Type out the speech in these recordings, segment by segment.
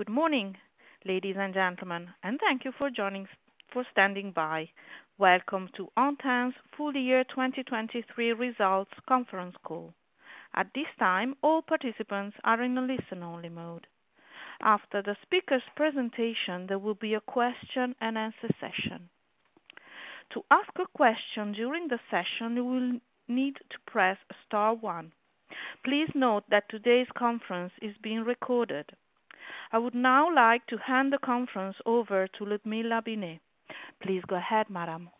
Good morning, ladies and gentlemen, and thank you for joining us for standing by. Welcome to Antin’s Full-Year 2023 Results Conference Call. At this time, all participants are in a listen-only mode. After the speaker’s presentation, there will be a question-and-answer session. To ask a question during the session, you will need to press star one. Please note that today’s conference is being recorded. I would now like to hand the conference over to Ludmilla Binet. Please go ahead, madam.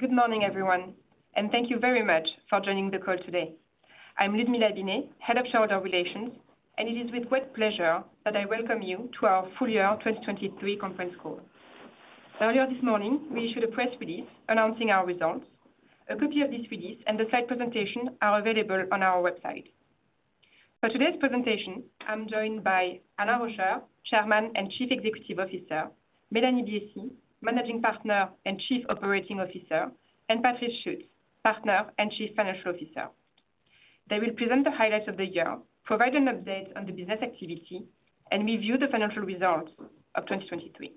Good morning, everyone, and thank you very much for joining the call today. I'm Ludmilla Binet, Head of Shareholder Relations, and it is with great pleasure that I welcome you to our Full Year 2023 Conference Call. Earlier this morning, we issued a press release announcing our results. A copy of this release and the slide presentation are available on our website. For today's presentation, I'm joined by Alain Rauscher, Chairman and Chief Executive Officer; Mélanie Biessy, Managing Partner and Chief Operating Officer; and Patrice Schuetz, Partner and Chief Financial Officer. They will present the highlights of the year, provide an update on the business activity, and review the financial results of 2023.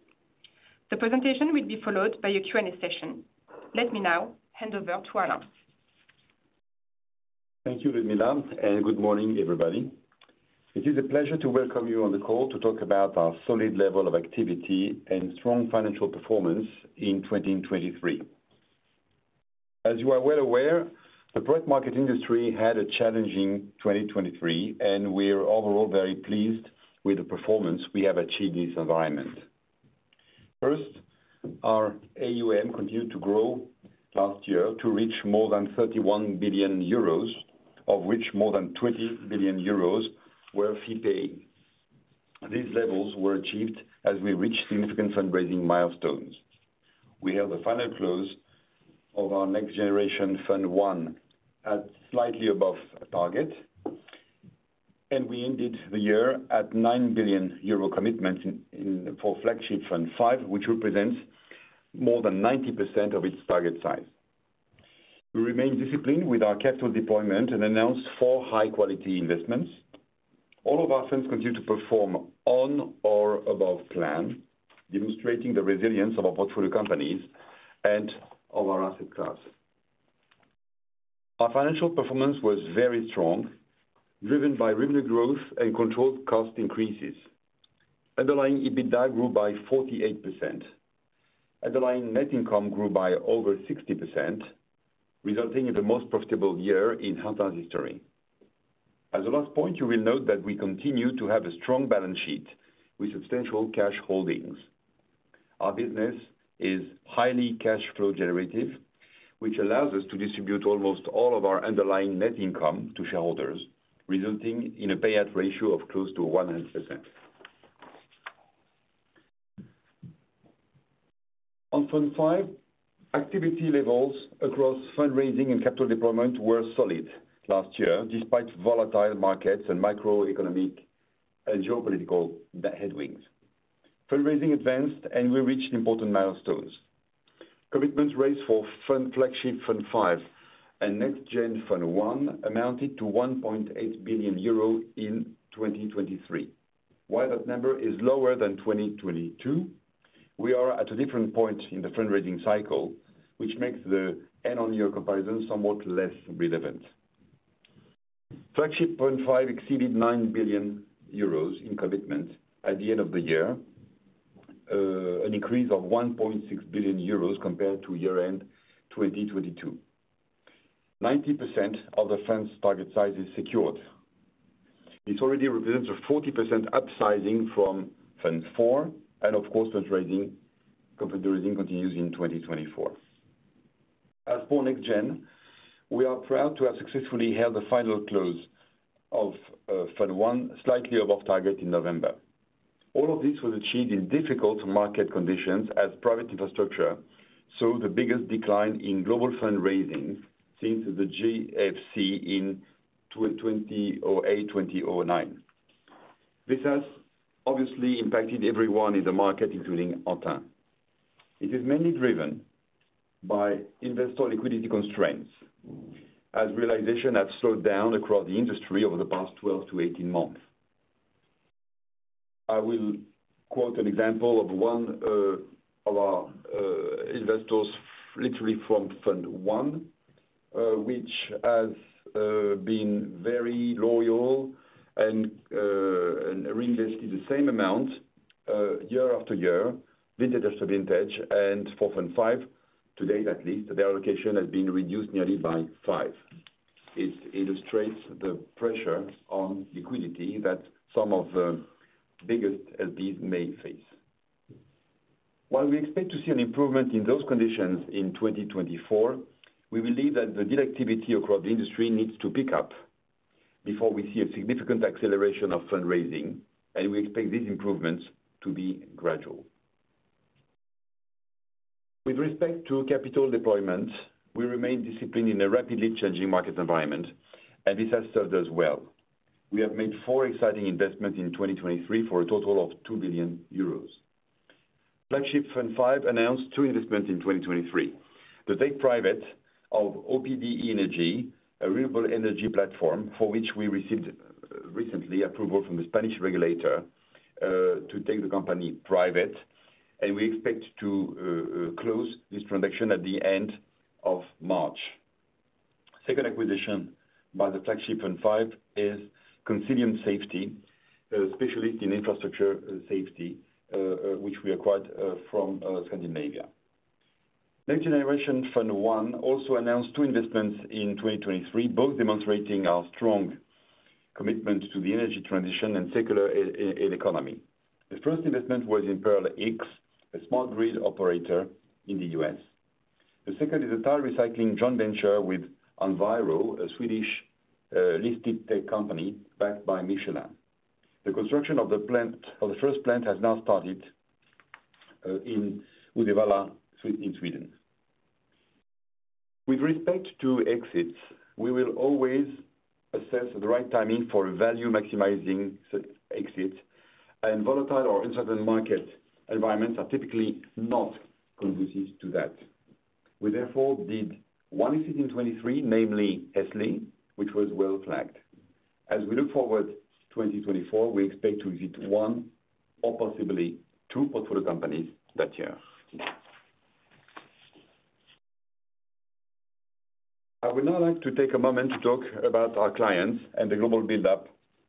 The presentation will be followed by a Q&A session. Let me now hand over to Alain. Thank you, Ludmilla, and good morning, everybody. It is a pleasure to welcome you on the call to talk about our solid level of activity and strong financial performance in 2023. As you are well aware, the private market industry had a challenging 2023, and we're overall very pleased with the performance we have achieved in this environment. First, our AUM continued to grow last year to reach more than 31 billion euros, of which more than 20 billion euros were fee-paying. These levels were achieved as we reached significant fundraising milestones. We held the final close of our Next Generation Fund I at slightly above target, and we ended the year at 9 billion euro commitment in for Flagship Fund V, which represents more than 90% of its target size. We remained disciplined with our capital deployment and announced four high-quality investments. All of our funds continue to perform on or above plan, demonstrating the resilience of our portfolio companies and of our asset class. Our financial performance was very strong, driven by revenue growth and controlled cost increases. Underlying EBITDA grew by 48%. Underlying net income grew by over 60%, resulting in the most profitable year in Antin's history. As a last point, you will note that we continue to have a strong balance sheet with substantial cash holdings. Our business is highly cash flow generative, which allows us to distribute almost all of our underlying net income to shareholders, resulting in a payout ratio of close to 100%. On Fund V, activity levels across fundraising and capital deployment were solid last year, despite volatile markets and macroeconomic and geopolitical headwinds. Fundraising advanced, and we reached important milestones. Commitments raised for Flagship Fund V and NextGen Fund I amounted to 1.8 billion euro in 2023. While that number is lower than 2022, we are at a different point in the fundraising cycle, which makes the end-of-year comparison somewhat less relevant. Flagship Fund V exceeded 9 billion euros in commitments at the end of the year, an increase of 1.6 billion euros compared to year-end 2022. 90% of the fund's target size is secured. This already represents a 40% upsizing from Fund IV and, of course, fundraising continues in 2024. As for NextGen, we are proud to have successfully held the final close of Fund I slightly above target in November. All of this was achieved in difficult market conditions as private infrastructure saw the biggest decline in global fundraising since the GFC in 2008-2009. This has, obviously, impacted everyone in the market, including Antin. It is mainly driven by investor liquidity constraints, as realization has slowed down across the industry over the past 12 to 18 months. I will quote an example of one of our investors, literally from Fund I, which has been very loyal and reinvested the same amount, year after year, vintage after vintage. For Fund V, today at least, their allocation has been reduced nearly by five. It illustrates the pressure on liquidity that some of the biggest LPs may face. While we expect to see an improvement in those conditions in 2024, we believe that the deal activity across the industry needs to pick up before we see a significant acceleration of fundraising, and we expect these improvements to be gradual. With respect to capital deployment, we remain disciplined in a rapidly changing market environment, and this has served us well. We have made four exciting investments in 2023 for a total of 2 billion euros. Flagship Fund V announced two investments in 2023: the take-private of Opdenergy, a renewable energy platform for which we received recently approval from the Spanish regulator, to take the company private, and we expect to close this transaction at the end of March. Second acquisition by the Flagship Fund V is Consilium Safety, specialist in infrastructure safety, which we acquired from Scandinavia. NextGen Fund I also announced two investments in 2023, both demonstrating our strong commitment to the energy transition and circular economy. The first investment was in PearlX, a smart grid operator in the U.S. The second is a tire recycling joint venture with Enviro, a Swedish listed tech company backed by Michelin. The construction of the first plant has now started in Uddevalla in Sweden. With respect to exits, we will always assess the right timing for value-maximizing exits, and volatile or uncertain market environments are typically not conducive to that. We therefore did one exit in 2023, namely Hesley, which was well flagged. As we look forward to 2024, we expect to exit one or possibly two portfolio companies that year. I would now like to take a moment to talk about our clients and the global buildup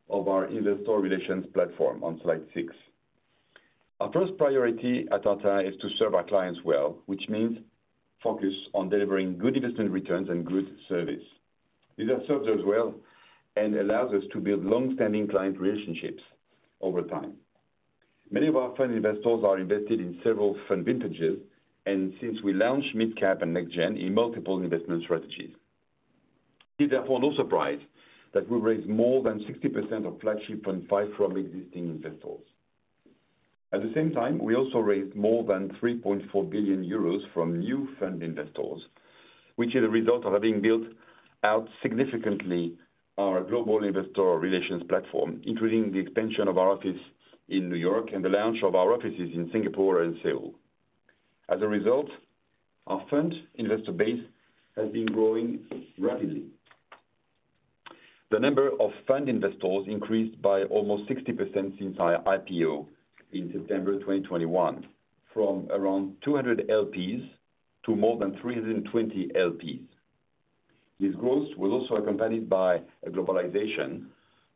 of our investor relations platform on slide six. Our first priority at Antin is to serve our clients well, which means focus on delivering good investment returns and good service. This has served us well and allows us to build longstanding client relationships over time. Many of our fund investors are invested in several fund vintages, and since we launched Mid Cap and NextGen, in multiple investment strategies. It is therefore no surprise that we raised more than 60% of Flagship Fund V from existing investors. At the same time, we also raised more than 3.4 billion euros from new fund investors, which is a result of having built out significantly our global investor relations platform, including the expansion of our office in New York and the launch of our offices in Singapore and Seoul. As a result, our fund investor base has been growing rapidly. The number of fund investors increased by almost 60% since our IPO in September 2021, from around 200 LPs to more than 320 LPs. This growth was also accompanied by a globalization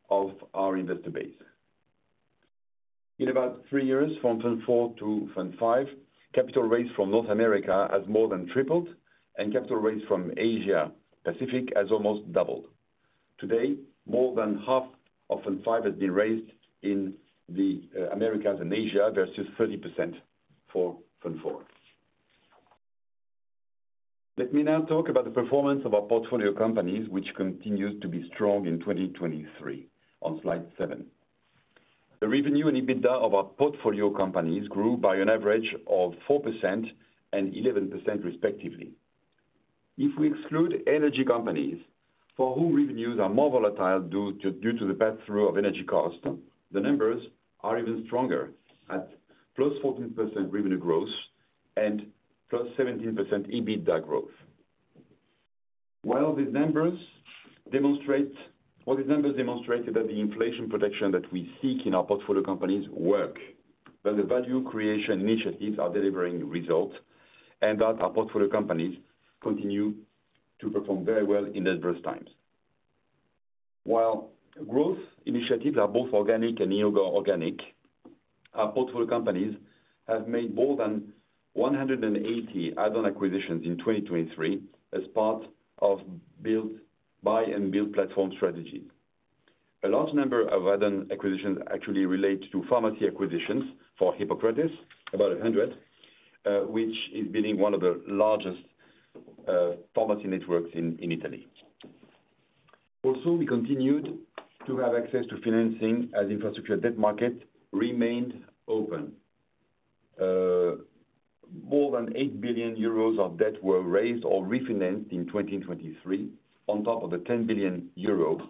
of our investor base. In about three years, from Fund IV to Fund V, capital raised from North America has more than tripled, and capital raised from Asia-Pacific has almost doubled. Today, more than half of Fund V has been raised in the Americas and Asia versus 30% for Fund IV. Let me now talk about the performance of our portfolio companies, which continues to be strong in 2023, on slide seven. The revenue and EBITDA of our portfolio companies grew by an average of 4% and 11%, respectively. If we exclude energy companies, for whom revenues are more volatile due to the pass-through of energy cost, the numbers are even stronger, at +14% revenue growth and +17% EBITDA growth. While these numbers demonstrate well, these numbers demonstrate that the inflation protection that we seek in our portfolio companies works, that the value creation initiatives are delivering results, and that our portfolio companies continue to perform very well in adverse times. While growth initiatives are both organic and inorganic, our portfolio companies have made more than 180 add-on acquisitions in 2023 as part of buy-and-build platform strategies. A large number of add-on acquisitions actually relate to pharmacy acquisitions for Hippocrates, about 100, which is building one of the largest pharmacy networks in Italy. Also, we continued to have access to financing as infrastructure debt market remained open. More than 8 billion euros of debt were raised or refinanced in 2023, on top of the 10 billion euros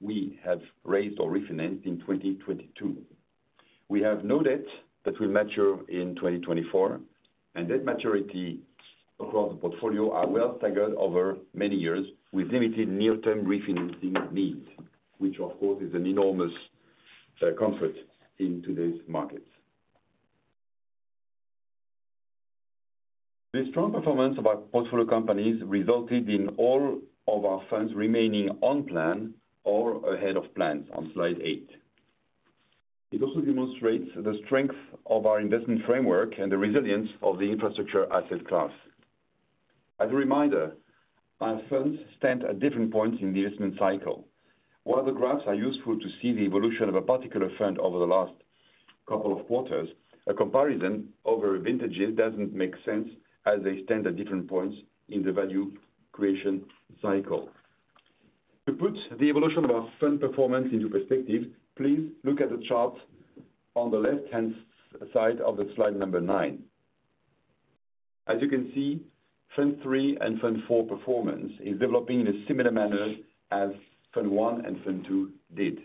we have raised or refinanced in 2022. We have no debt that will mature in 2024, and debt maturity across the portfolio are well staggered over many years, with limited near-term refinancing needs, which, of course, is an enormous comfort in today's markets. This strong performance of our portfolio companies resulted in all of our funds remaining on plan or ahead of plans, on slide eight. It also demonstrates the strength of our investment framework and the resilience of the infrastructure asset class. As a reminder, our funds stand at different points in the investment cycle. While the graphs are useful to see the evolution of a particular fund over the last couple of quarters, a comparison over vintages doesn't make sense as they stand at different points in the value creation cycle. To put the evolution of our fund performance into perspective, please look at the chart on the left-hand side of slide number nine. As you can see, Fund III and Fund IV performance is developing in a similar manner as Fund I and Fund II did.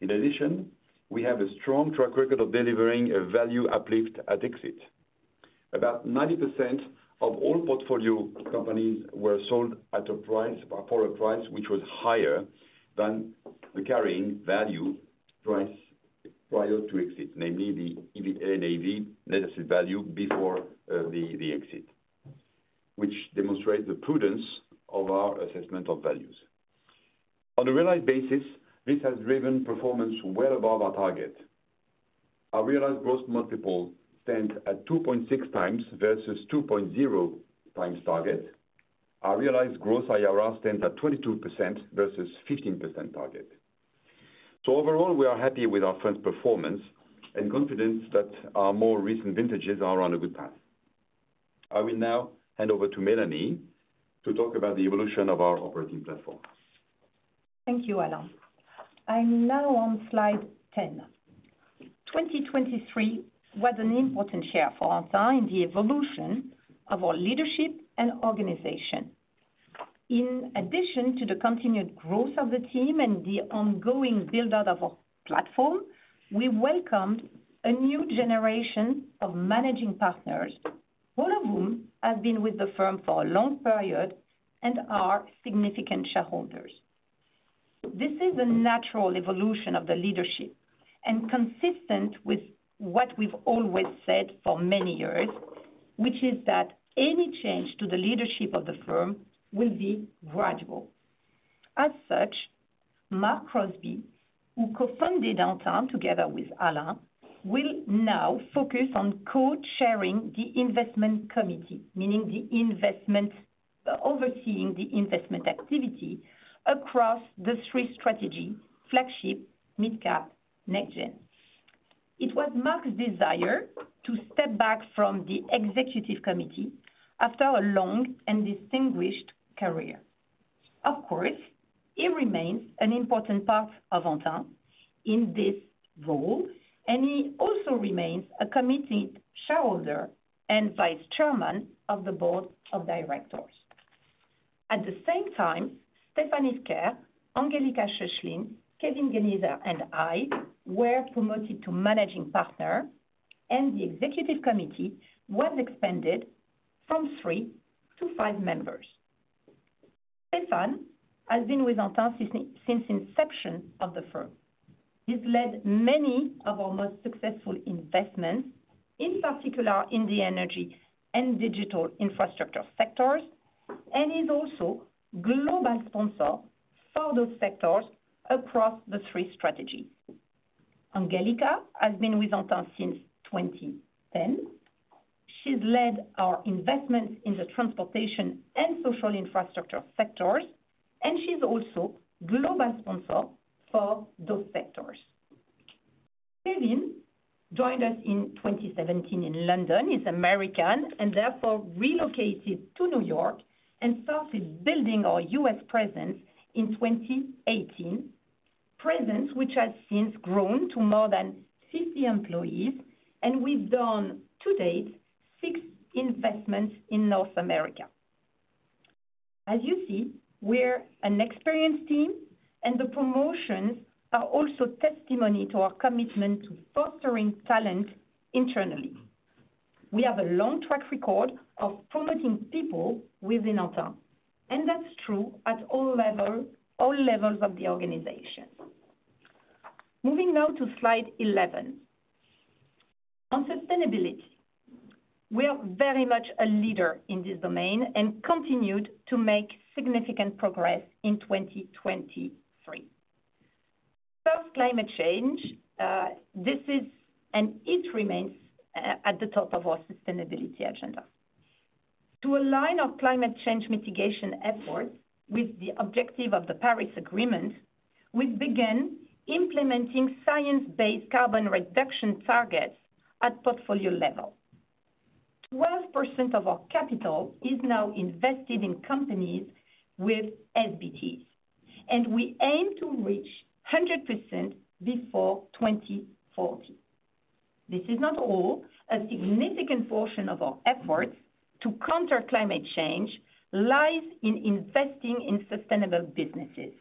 In addition, we have a strong track record of delivering a value uplift at exit. About 90% of all portfolio companies were sold at a price for a price which was higher than the carrying value price prior to exit, namely the EV and NAV net asset value before the exit, which demonstrates the prudence of our assessment of values. On a realized basis, this has driven performance well above our target. Our realized gross multiple stands at 2.6 times versus 2.0 times target. Our realized gross IRR stands at 22% versus 15% target. So overall, we are happy with our fund's performance and confident that our more recent vintages are on a good path. I will now hand over to Mélanie to talk about the evolution of our operating platform. Thank you, Alain. I'm now on slide 10. 2023 was an important year for Antin in the evolution of our leadership and organization. In addition to the continued growth of the team and the ongoing buildup of our platform, we welcomed a new generation of Managing Partners, all of whom have been with the firm for a long period and are significant shareholders. This is a natural evolution of the leadership and consistent with what we've always said for many years, which is that any change to the leadership of the firm will be gradual. As such, Mark Crosbie, who co-founded Antin together with Alain, will now focus on co-chairing the investment committee, meaning the investment overseeing the investment activity across the three strategies: Flagship, Mid Cap, NextGen. It was Mark's desire to step back from the executive committee after a long and distinguished career. Of course, he remains an important part of Antin in this role, and he also remains a committed shareholder and vice chairman of the board of directors. At the same time, Stéphane Ifker, Angelika Schöchlin, Kevin Genieser, and I were promoted to Managing Partners, and the executive committee was expanded from three to five members. Stéphane has been with Antin since inception of the firm. He's led many of our most successful investments, in particular in the energy and digital infrastructure sectors, and he's also global sponsor for those sectors across the three strategies. Angelika has been with Antin since 2010. She's led our investments in the transportation and social infrastructure sectors, and she's also global sponsor for those sectors. Kevin joined us in 2017 in London, is American, and therefore relocated to New York and started building our U.S. presence in 2018, presence which has since grown to more than 50 employees, and we've done, to date, six investments in North America. As you see, we're an experienced team, and the promotions are also testimony to our commitment to fostering talent internally. We have a long track record of promoting people within Antin, and that's true at all levels of the organization. Moving now to slide 11. On sustainability, we are very much a leader in this domain and continued to make significant progress in 2023. First, climate change. This is and it remains at the top of our sustainability agenda. To align our climate change mitigation efforts with the objective of the Paris Agreement, we've begun implementing science-based carbon reduction targets at portfolio level. 12% of our capital is now invested in companies with SBTs, and we aim to reach 100% before 2040. This is not all. A significant portion of our efforts to counter climate change lies in investing in sustainable businesses.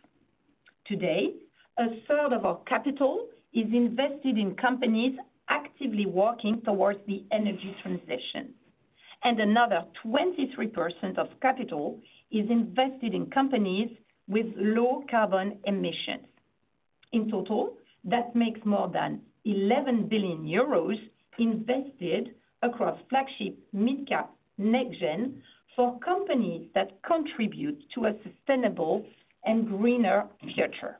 Today, a third of our capital is invested in companies actively working towards the energy transition, and another 23% of capital is invested in companies with low carbon emissions. In total, that makes more than 11 billion euros invested across Flagship, Mid Cap, NextGen for companies that contribute to a sustainable and greener future.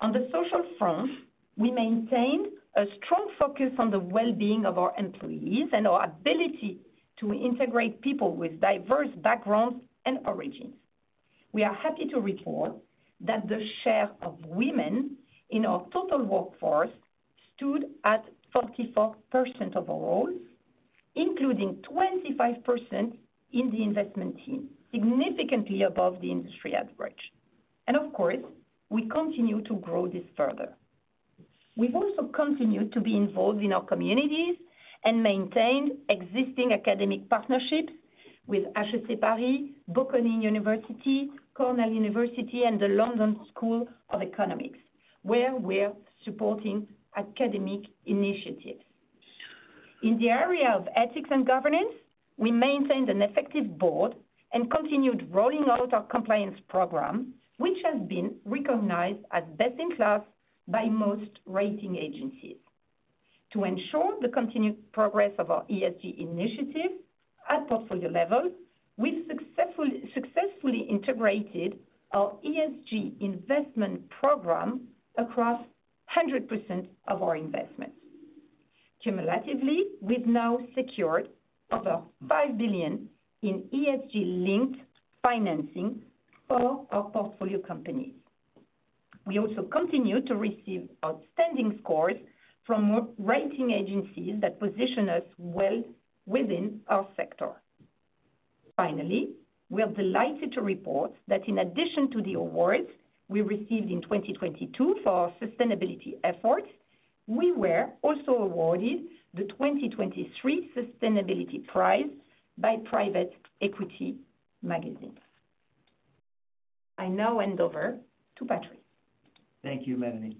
On the social front, we maintained a strong focus on the well-being of our employees and our ability to integrate people with diverse backgrounds and origins. We are happy to report that the share of women in our total workforce stood at 44% of our roles, including 25% in the investment team, significantly above the industry average. Of course, we continue to grow this further. We've also continued to be involved in our communities and maintained existing academic partnerships with HEC Paris, Bocconi University, Cornell University, and the London School of Economics, where we're supporting academic initiatives. In the area of ethics and governance, we maintained an effective board and continued rolling out our compliance program, which has been recognized as best-in-class by most rating agencies. To ensure the continued progress of our ESG initiatives at portfolio level, we've successfully integrated our ESG investment program across 100% of our investments. Cumulatively, we've now secured over 5 billion in ESG-linked financing for our portfolio companies. We also continue to receive outstanding scores from rating agencies that position us well within our sector. Finally, we're delighted to report that in addition to the awards we received in 2022 for our sustainability efforts, we were also awarded the 2023 Sustainability Prize by Private Equity Magazine. I now hand over to Patrice. Thank you, Mélanie.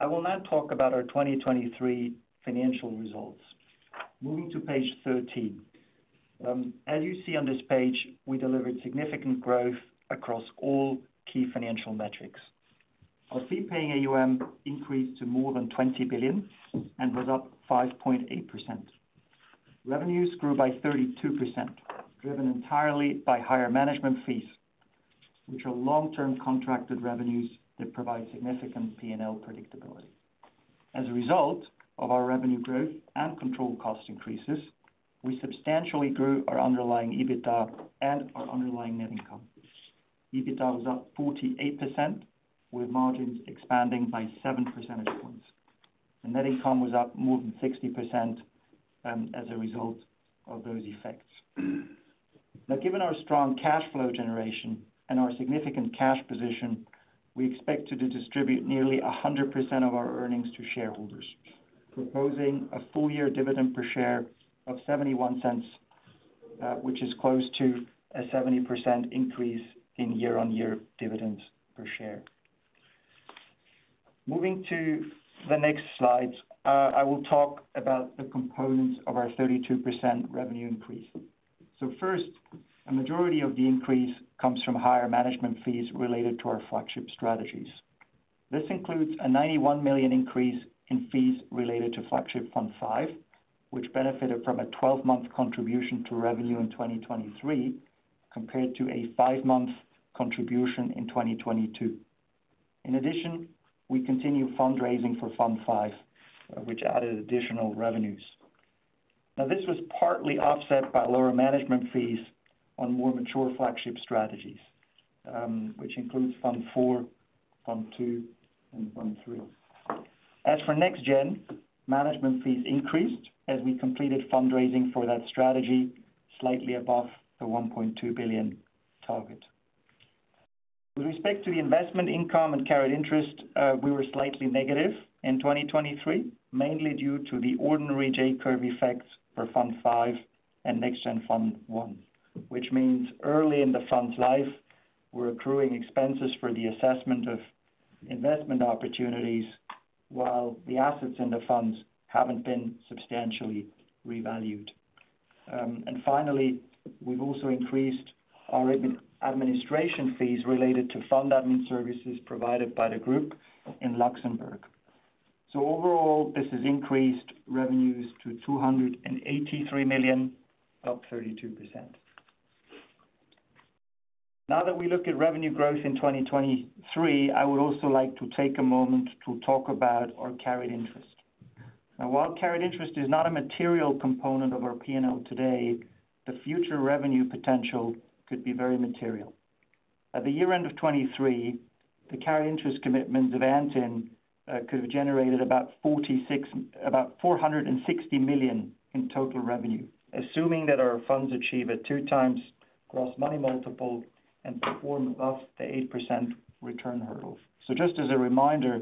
I will now talk about our 2023 financial results. Moving to page 13. As you see on this page, we delivered significant growth across all key financial metrics. Our fee-paying AUM increased to more than 20 billion and was up 5.8%. Revenues grew by 32%, driven entirely by higher management fees, which are long-term contracted revenues that provide significant P&L predictability. As a result of our revenue growth and control cost increases, we substantially grew our underlying EBITDA and our underlying net income. EBITDA was up 48%, with margins expanding by seven percentage points. Net income was up more than 60%, as a result of those effects. Now, given our strong cash flow generation and our significant cash position, we expect to distribute nearly 100% of our earnings to shareholders, proposing a full-year dividend per share of $0.71, which is close to a 70% increase in year-on-year dividends per share. Moving to the next slide, I will talk about the components of our 32% revenue increase. So first, a majority of the increase comes from higher management fees related to our flagship strategies. This includes a $91 million increase in fees related to Flagship Fund V, which benefited from a 12-month contribution to revenue in 2023 compared to a five-month contribution in 2022. In addition, we continue fundraising for Fund V, which added additional revenues. Now, this was partly offset by lower management fees on more mature flagship strategies, which includes Fund IV, Fund II, and Fund III. As for NextGen, management fees increased as we completed fundraising for that strategy slightly above the $1.2 billion target. With respect to the investment income and carried interest, we were slightly negative in 2023, mainly due to the ordinary J-curve effects for Fund V and NextGen Fund I, which means early in the fund's life, we're accruing expenses for the assessment of investment opportunities while the assets in the funds haven't been substantially revalued. Finally, we've also increased our administration fees related to fund admin services provided by the group in Luxembourg. Overall, this has increased revenues to $283 million, up 32%. Now that we look at revenue growth in 2023, I would also like to take a moment to talk about our carried interest. Now, while carried interest is not a material component of our P&L today, the future revenue potential could be very material. At the year-end of 2023, the carried interest commitments of Antin could have generated about $460 million in total revenue, assuming that our funds achieve a two times gross multiple and perform above the 8% return hurdle. So just as a reminder,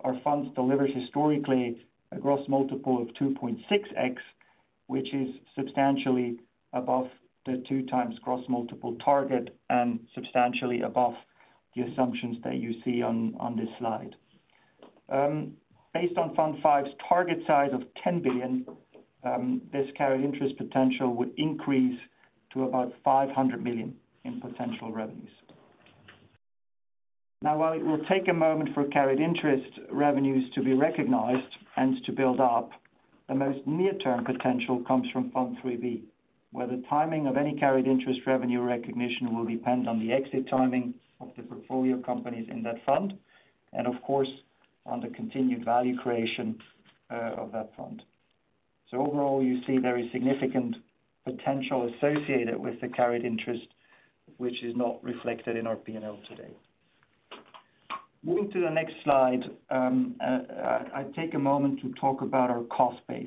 our funds delivered historically a gross multiple of 2.6x, which is substantially above the two times gross multiple target and substantially above the assumptions that you see on this slide. Based on Fund V's target size of $10 billion, this carried interest potential would increase to about $500 million in potential revenues. Now, while it will take a moment for carried interest revenues to be recognized and to build up, the most near-term potential comes from Fund III-B, where the timing of any carried interest revenue recognition will depend on the exit timing of the portfolio companies in that fund and, of course, on the continued value creation of that fund. So overall, you see there is significant potential associated with the carried interest, which is not reflected in our P&L today. Moving to the next slide, I'd take a moment to talk about our cost base.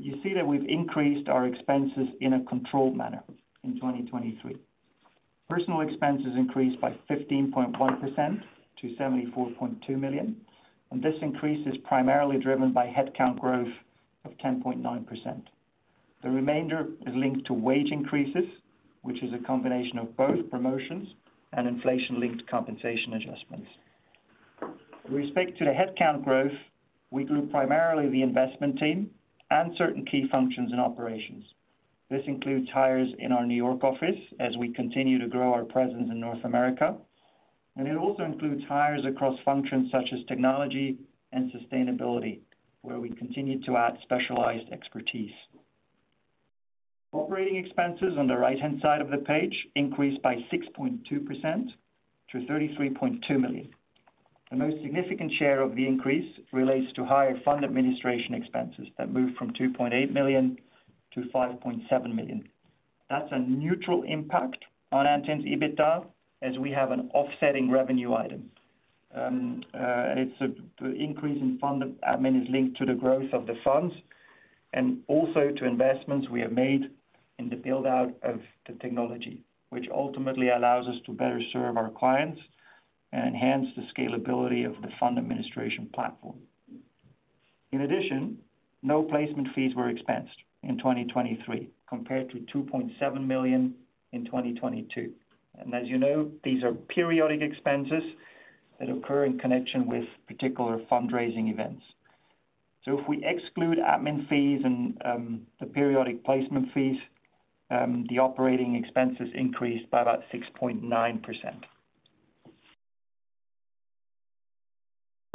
You see that we've increased our expenses in a controlled manner in 2023. Personnel expenses increased by 15.1% to $74.2 million, and this increase is primarily driven by headcount growth of 10.9%. The remainder is linked to wage increases, which is a combination of both promotions and inflation-linked compensation adjustments. With respect to the headcount growth, we grew primarily the investment team and certain key functions and operations. This includes hires in our New York office as we continue to grow our presence in North America, and it also includes hires across functions such as technology and sustainability, where we continue to add specialized expertise. Operating expenses on the right-hand side of the page increased by 6.2% to $33.2 million. The most significant share of the increase relates to higher fund administration expenses that moved from $2.8 million to $5.7 million. That's a neutral impact on Antin's EBITDA as we have an offsetting revenue item. The increase in fund admin is linked to the growth of the funds and also to investments we have made in the build-out of the technology, which ultimately allows us to better serve our clients and enhance the scalability of the fund administration platform. In addition, no placement fees were expensed in 2023 compared to $2.7 million in 2022. As you know, these are periodic expenses that occur in connection with particular fundraising events. So if we exclude admin fees and the periodic placement fees, the operating expenses increased by about 6.9%.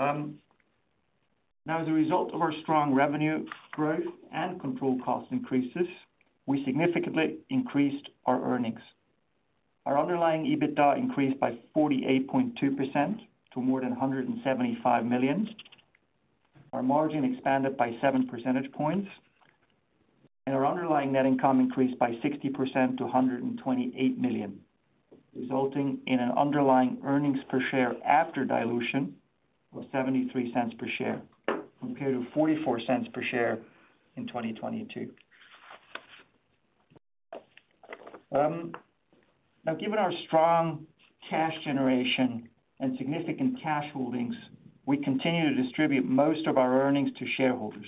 Now, as a result of our strong revenue growth and control cost increases, we significantly increased our earnings. Our underlying EBITDA increased by 48.2% to more than $175 million. Our margin expanded by seven percentage points. Our underlying net income increased by 60% to $128 million, resulting in an underlying earnings per share after dilution of $0.73 per share compared to $0.44 per share in 2022. Now, given our strong cash generation and significant cash holdings, we continue to distribute most of our earnings to shareholders.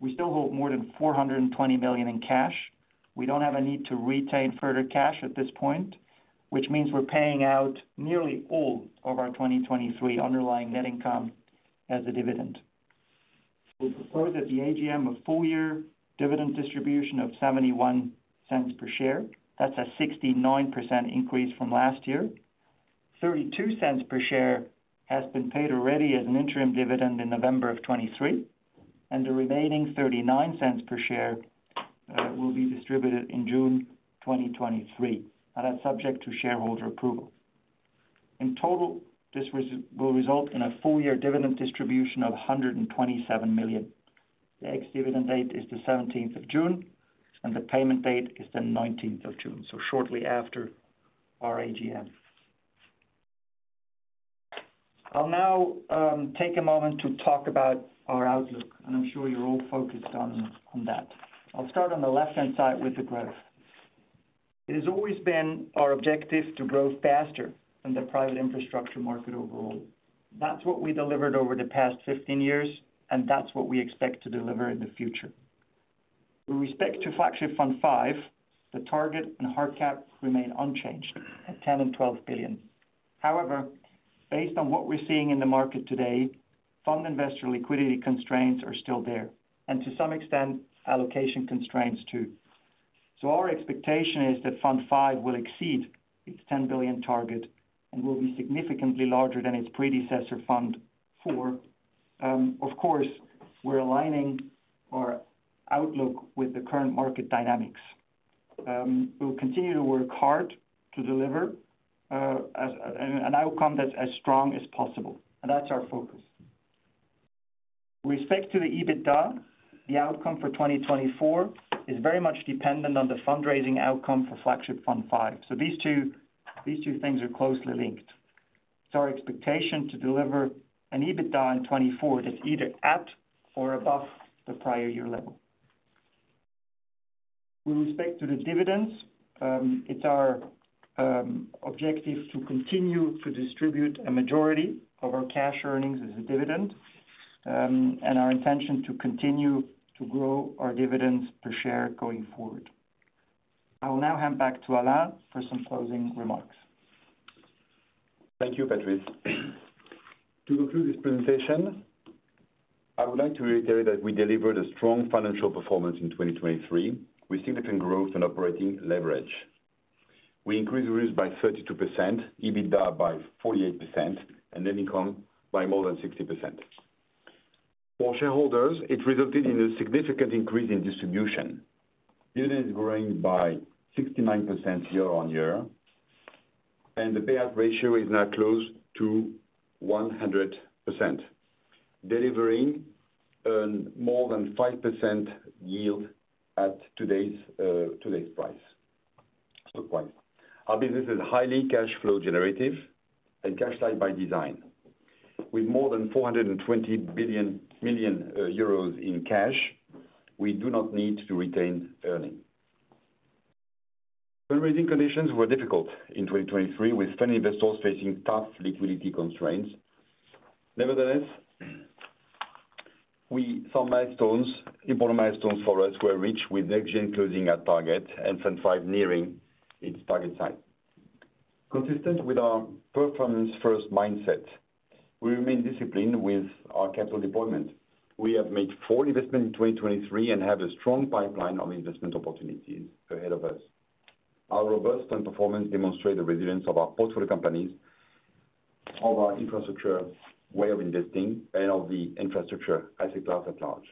We still hold more than $420 million in cash. We don't have a need to retain further cash at this point, which means we're paying out nearly all of our 2023 underlying net income as a dividend. We propose at the AGM a full-year dividend distribution of $0.71 per share. That's a 69% increase from last year. $0.32 per share has been paid already as an interim dividend in November of 2023, and the remaining $0.39 per share will be distributed in June 2023. Now, that's subject to shareholder approval. In total, this resolution will result in a full-year dividend distribution of $127 million. The ex-dividend date is the 17th of June, and the payment date is the 19th of June, so shortly after our AGM. I'll now take a moment to talk about our outlook, and I'm sure you're all focused on that. I'll start on the left-hand side with the growth. It has always been our objective to grow faster than the private infrastructure market overall. That's what we delivered over the past 15 years, and that's what we expect to deliver in the future. With respect to Flagship Fund V, the target and hard cap remain unchanged at $10 billion and $12 billion. However, based on what we're seeing in the market today, fund investor liquidity constraints are still there, and to some extent, allocation constraints too. So our expectation is that Fund V will exceed its $10 billion target and will be significantly larger than its predecessor, Fund IV. Of course, we're aligning our outlook with the current market dynamics. We'll continue to work hard to deliver an outcome that's as strong as possible, and that's our focus. With respect to the EBITDA, the outcome for 2024 is very much dependent on the fundraising outcome for Flagship Fund V. So these two things are closely linked. It's our expectation to deliver an EBITDA in 2024 that's either at or above the prior year level. With respect to the dividends, it's our objective to continue to distribute a majority of our cash earnings as a dividend, and our intention to continue to grow our dividends per share going forward. I will now hand back to Alain for some closing remarks. Thank you, Patrice. To conclude this presentation, I would like to reiterate that we delivered a strong financial performance in 2023 with significant growth and operating leverage. We increased revenues by 32%, EBITDA by 48%, and net income by more than 60%. For shareholders, it resulted in a significant increase in distribution. Dividend is growing by 69% year-over-year, and the payout ratio is now close to 100%, delivering a more than 5% yield at today's price. Our business is highly cash flow generative and cash-like by design. With more than 420 million euros in cash, we do not need to retain earnings. Fundraising conditions were difficult in 2023 with fund investors facing tough liquidity constraints. Nevertheless, we saw important milestones for us were reached with NextGen closing at target and Fund V nearing its target size. Consistent with our performance-first mindset, we remain disciplined with our capital deployment. We have made full investment in 2023 and have a strong pipeline of investment opportunities ahead of us. Our robust fund performance demonstrated the resilience of our portfolio companies, of our infrastructure way of investing, and of the infrastructure asset class at large.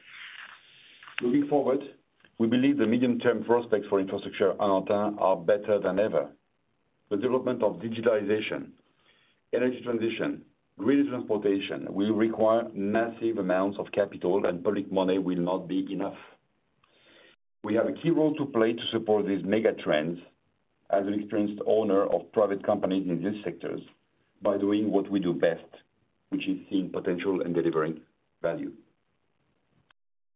Moving forward, we believe the medium-term prospects for infrastructure investment are better than ever. The development of digitalization, energy transition, grid transportation will require massive amounts of capital, and public money will not be enough. We have a key role to play to support these megatrends as an experienced owner of private companies in these sectors by doing what we do best, which is seeing potential and delivering value.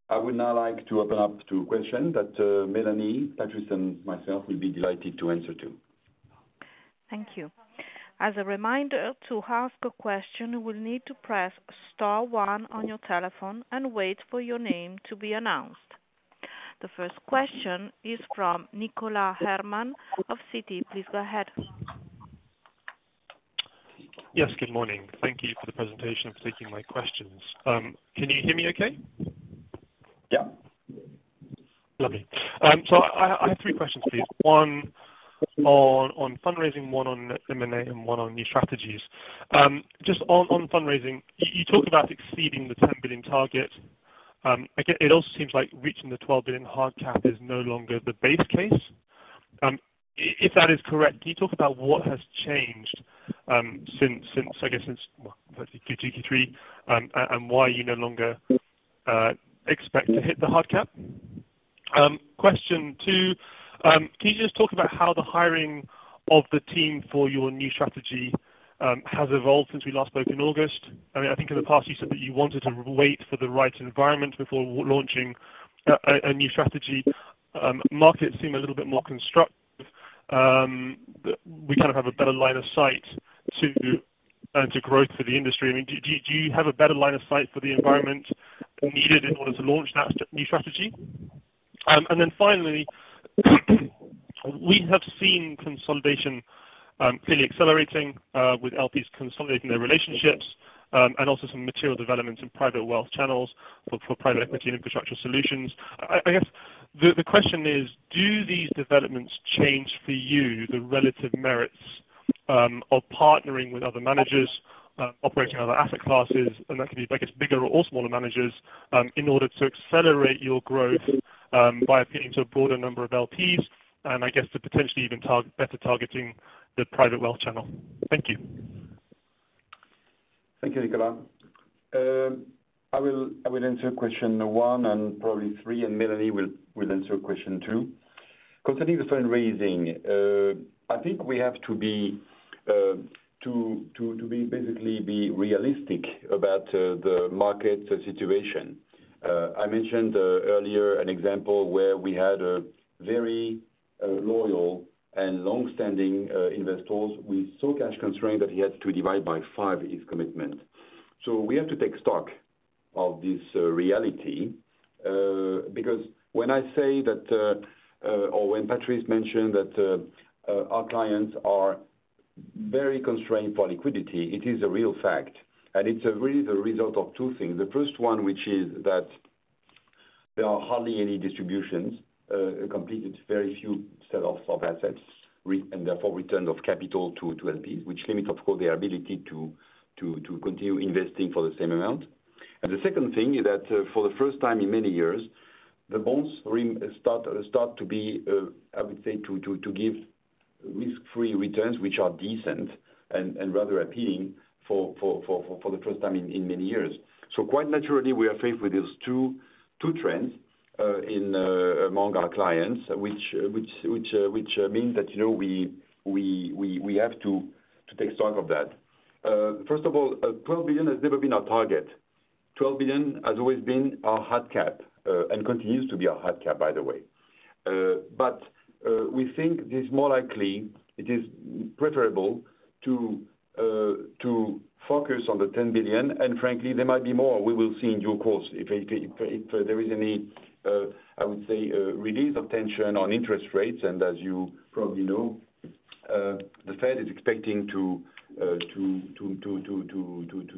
I would now like to open up to a question that, Mélanie, Patrice, and myself will be delighted to answer to. Thank you. As a reminder to ask a question, you will need to press star one on your telephone and wait for your name to be announced. The first question is from Nicholas Herman of Citi. Please go ahead. Yes. Good morning. Thank you for the presentation and for taking my questions. Can you hear me okay? Yeah. Lovely. So I have three questions, please. One on fundraising, one on M&A, and one on new strategies. Just on fundraising, you talked about exceeding the $10 billion target. I get it. It also seems like reaching the $12 billion hard cap is no longer the base case. If that is correct, can you talk about what has changed, since I guess, well, virtually Q2, Q3, and why you no longer expect to hit the hard cap? Question two, can you just talk about how the hiring of the team for your new strategy has evolved since we last spoke in August? I mean, I think in the past, you said that you wanted to wait for the right environment before launching a new strategy. Markets seem a little bit more constructive. We kind of have a better line of sight to and growth for the industry. I mean, do you have a better line of sight for the environment needed in order to launch that new strategy? And then finally, we have seen consolidation clearly accelerating, with LPs consolidating their relationships, and also some material developments in private wealth channels for private equity and infrastructure solutions. I guess the question is, do these developments change for you the relative merits of partnering with other managers, operating other asset classes - and that can be, I guess, bigger or smaller managers - in order to accelerate your growth, by appealing to a broader number of LPs and, I guess, to potentially even target better targeting the private wealth channel? Thank you. Thank you, Nicholas. I will answer question one and probably three, and Mélanie will answer question two. Concerning the fundraising, I think we have to be basically realistic about the market situation. I mentioned earlier an example where we had a very loyal and longstanding investors. We saw cash constraint that he had to divide by five his commitment. So we have to take stock of this reality, because when I say that, or when Patrice mentioned that, our clients are very constrained for liquidity, it is a real fact. And it's really the result of two things. The first one, which is that there are hardly any distributions completed, very few sell-offs of assets and therefore returns of capital to LPs, which limits, of course, their ability to continue investing for the same amount. And the second thing is that, for the first time in many years, the bonds start to be, I would say, to give risk-free returns which are decent and rather appealing for the first time in many years. So quite naturally, we are faced with those two trends among our clients, which means that, you know, we have to take stock of that. First of all, $12 billion has never been our target. $12 billion has always been our hard cap, and continues to be our hard cap, by the way. But we think it is more likely, it is preferable to focus on the $10 billion. And frankly, there might be more. We will see in due course if there is any, I would say, release of tension on interest rates. And as you probably know, the Fed is expecting to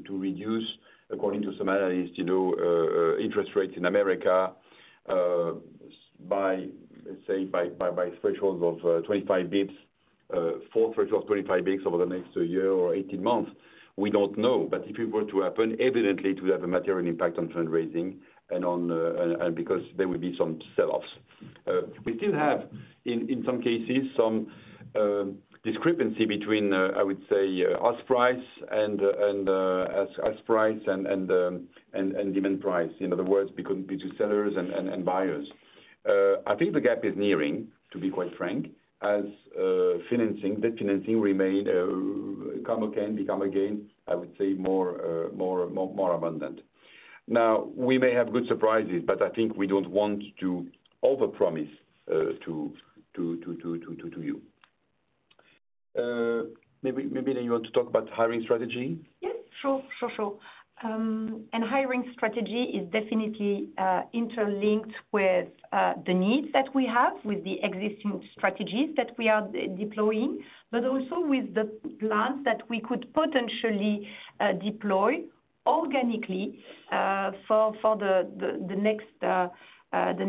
reduce, according to some analysts, you know, interest rates in America by, let's say, thresholds of 25 basis points, four thresholds of 25 basis points over the next year or 18 months. We don't know. But if it were to happen, evidently, it would have a material impact on fundraising and because there would be some sell-offs. We still have, in some cases, some discrepancy between, I would say, ask price and demand price, in other words, between sellers and buyers. I think the gap is narrowing, to be quite frank, as debt financing becomes, I would say, more abundant. Now, we may have good surprises, but I think we don't want to overpromise to you. Maybe you want to talk about hiring strategy? Yes. Sure. Hiring strategy is definitely interlinked with the needs that we have with the existing strategies that we are deploying, but also with the plans that we could potentially deploy organically for the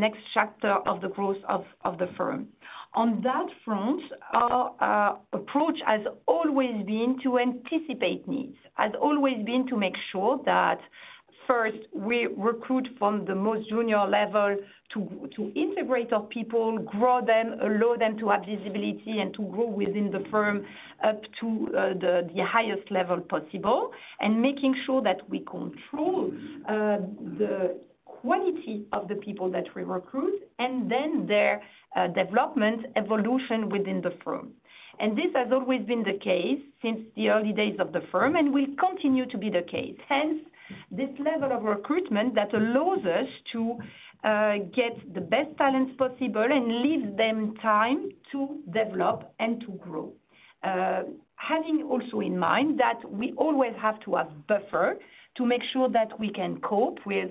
next chapter of the growth of the firm. On that front, our approach has always been to anticipate needs, has always been to make sure that, first, we recruit from the most junior level to integrate our people, grow them, allow them to have visibility, and to grow within the firm up to the highest level possible, and making sure that we control the quality of the people that we recruit and then their development, evolution within the firm. And this has always been the case since the early days of the firm and will continue to be the case. Hence, this level of recruitment that allows us to get the best talents possible and leaves them time to develop and to grow, having also in mind that we always have to have buffer to make sure that we can cope with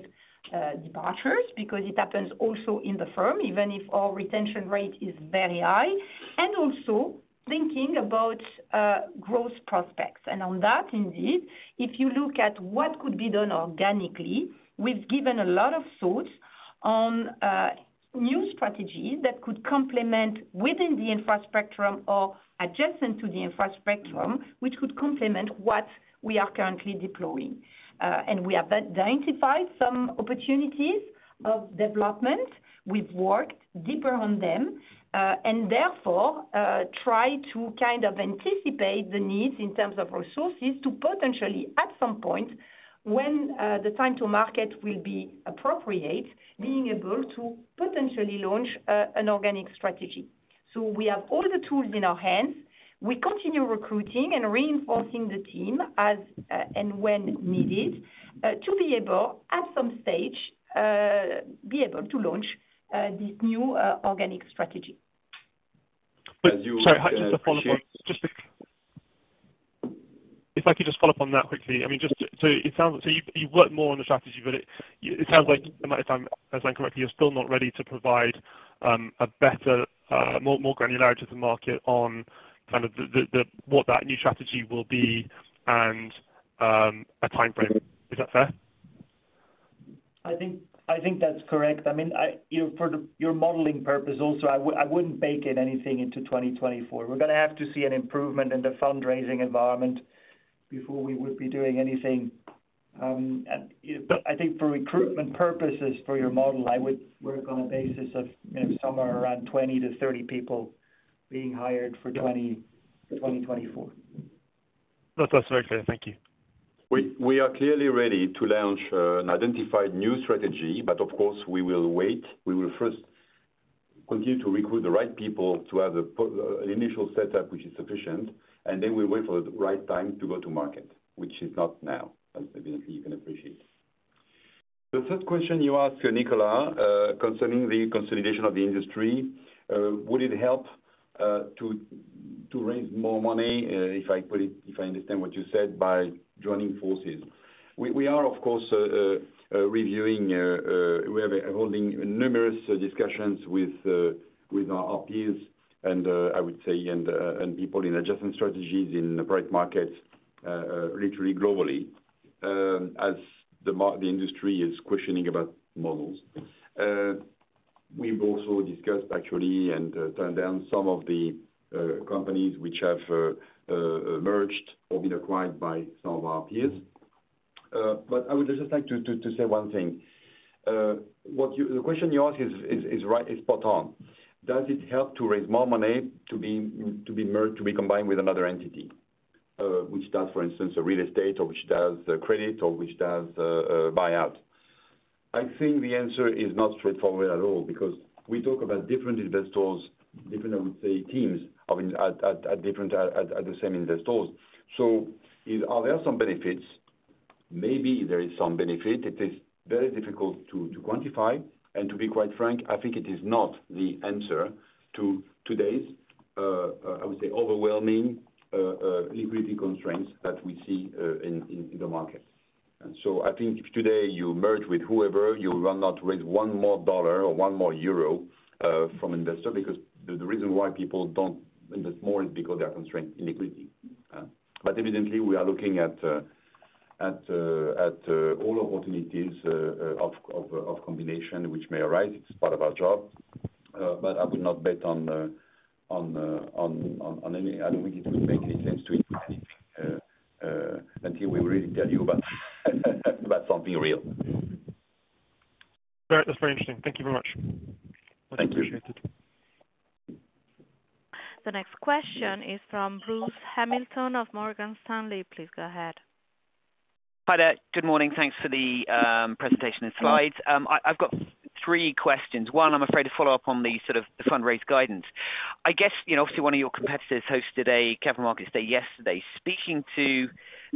departures because it happens also in the firm, even if our retention rate is very high, and also thinking about growth prospects. And on that, indeed, if you look at what could be done organically, we've given a lot of thought on new strategies that could complement within the infrastructure or adjacent to the infrastructure, which could complement what we are currently deploying, and we have identified some opportunities of development. We've worked deeper on them, and therefore tried to kind of anticipate the needs in terms of resources to potentially, at some point, when the time to market will be appropriate, being able to potentially launch an organic strategy. So we have all the tools in our hands. We continue recruiting and reinforcing the team as, and when needed, to be able, at some stage, be able to launch this new organic strategy. But you— sorry. Just a follow-up on just a—if I could just follow up on that quickly. I mean, just to so it sounds so you've worked more on the strategy, but it sounds like, am I if I'm correct, you're still not ready to provide a better, more granularity to the market on kind of the what that new strategy will be and a time frame. Is that fair? I think I think that's correct. I mean, I you know, for the your modeling purpose also, I would I wouldn't bake in anything into 2024. We're going to have to see an improvement in the fundraising environment before we would be doing anything. And, you know, but I think for recruitment purposes for your model, I would work on a basis of, you know, somewhere around 20-30 people being hired for 20 for 2024. That's that's very clear. Thank you. We we are clearly ready to launch, an identified new strategy, but of course, we will wait. We will first continue to recruit the right people to have the po an initial setup, which is sufficient. And then we'll wait for the right time to go to market, which is not now, as evidently you can appreciate. The third question you asked, Nicholas, concerning the consolidation of the industry, would it help to raise more money, if I put it if I understand what you said, by joining forces? We are, of course, reviewing. We have ongoing numerous discussions with our IRs and, I would say, and people in investment strategies in the private markets, literally globally, as the market the industry is questioning about models. We've also discussed, actually, and turned down some of the companies which have merged or been acquired by some of our peers. But I would just like to say one thing. What the question you ask is right is spot on. Does it help to raise more money to be merged, to be combined with another entity, which does, for instance, a real estate or credit or buyout? I think the answer is not straightforward at all because we talk about different investors, different, I would say, teams of in at different the same investors. So are there some benefits? Maybe there is some benefit. It is very difficult to quantify. And to be quite frank, I think it is not the answer to today's, I would say, overwhelming liquidity constraints that we see in the market. And so I think if today you merge with whoever, you will not raise one more dollar or one more euro from investor because the reason why people don't invest more is because they are constrained in liquidity. But evidently, we are looking at all opportunities of combination, which may arise. It's part of our job. But I would not bet on any. I don't think it would make any sense to invest anything, until we really tell you about something real. That's very interesting. Thank you very much. Thank you. Much appreciated. The next question is from Bruce Hamilton of Morgan Stanley. Please go ahead. Hi there. Good morning. Thanks for the presentation and slides. I've got three questions. One, I'm afraid to follow up on the sort of fundraise guidance. I guess, you know, obviously, one of your competitors hosted a capital markets day yesterday. Speaking to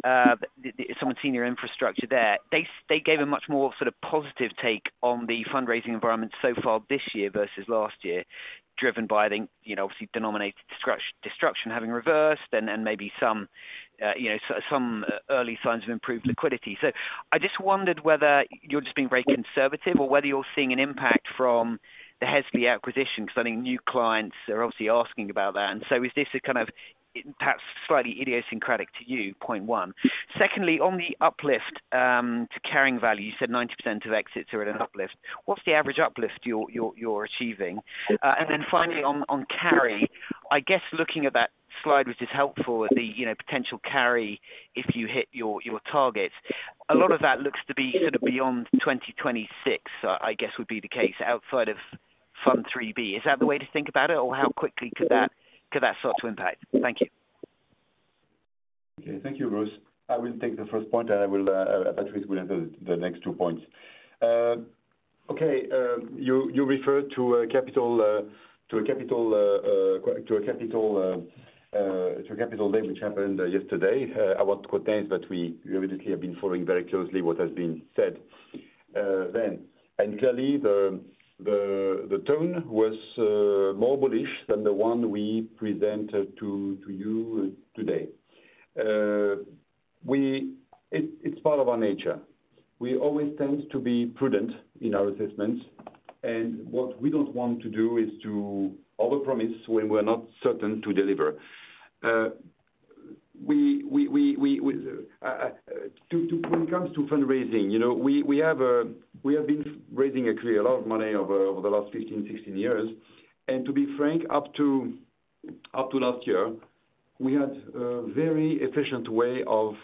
the someone senior infrastructure there, they gave a much more sort of positive take on the fundraising environment so far this year versus last year, driven by, I think, you know, obviously, denominator destruction having reversed and maybe some, you know, so some early signs of improved liquidity. So I just wondered whether you're just being very conservative or whether you're seeing an impact from the Hesley acquisition because I think new clients are obviously asking about that. And so is this a kind of perhaps slightly idiosyncratic to you, point one. Secondly, on the uplift to carrying value, you said 90% of exits are at an uplift. What's the average uplift you're achieving? And then finally, on carry, I guess looking at that slide, which is helpful, the, you know, potential carry if you hit your targets, a lot of that looks to be sort of beyond 2026, I guess, would be the case, outside of Fund III-B. Is that the way to think about it, or how quickly could that start to impact? Thank you. Okay. Thank you, Bruce. I will take the first point, and Patrice will answer the next two points. Okay. You referred to a capital day which happened yesterday. I won't quote names, but we obviously have been following very closely what has been said then. And clearly, the tone was more bullish than the one we presented to you today. Well, it's part of our nature. We always tend to be prudent in our assessments. And what we don't want to do is to overpromise when we're not certain to deliver. When it comes to fundraising, you know, we have been raising a clear amount of money over the last 15, 16 years. And to be frank, up to last year, we had a very efficient way of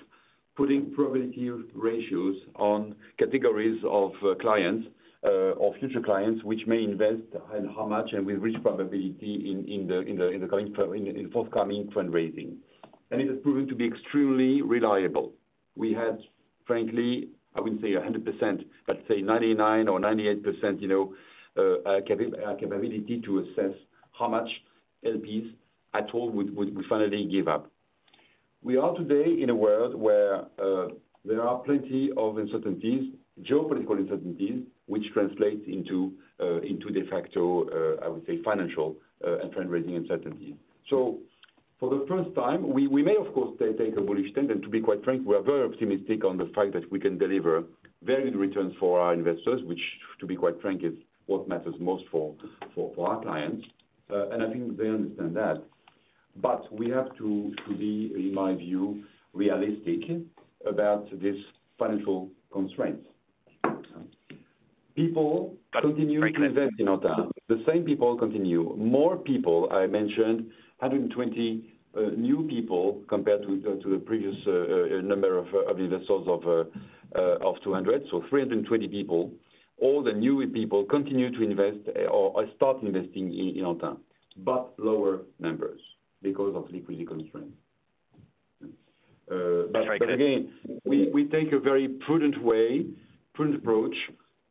putting probability ratios on categories of clients, or future clients, which may invest and how much and with which probability in the forthcoming fundraising. And it has proven to be extremely reliable. We had, frankly, I wouldn't say 100%, but say 99% or 98%, you know, capability to assess how much LPs at all would finally give up. We are today in a world where there are plenty of uncertainties, geopolitical uncertainties, which translates into de facto, I would say, financial and fundraising uncertainties. So for the first time, we may, of course, take a bullish tend. And to be quite frank, we are very optimistic on the fact that we can deliver very good returns for our investors, which, to be quite frank, is what matters most for our clients. I think they understand that. But we have to be, in my view, realistic about these financial constraints. People continue to invest in Antin. The same people continue. More people, I mentioned, 120 new people compared to the previous number of investors of 200. So 320 people. All the new people continue to invest or start investing in Antin but lower numbers because of liquidity constraints. But again, we take a very prudent way, prudent approach.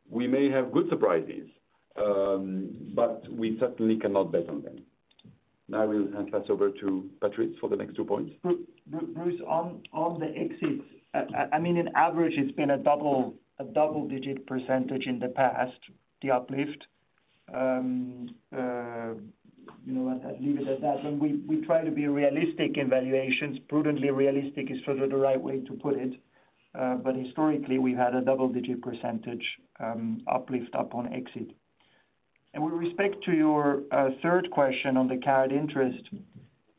We may have good surprises, but we certainly cannot bet on them. Now, I will hand over to Patrice for the next two points. Bruce, on the exits, I mean, on average, it's been a double-digit percentage in the past, the uplift. You know, I'd leave it at that. And we try to be realistic in valuations. Prudently realistic is sort of the right way to put it. But historically, we've had a double-digit percentage uplift upon exit. With respect to your third question on the carried interest,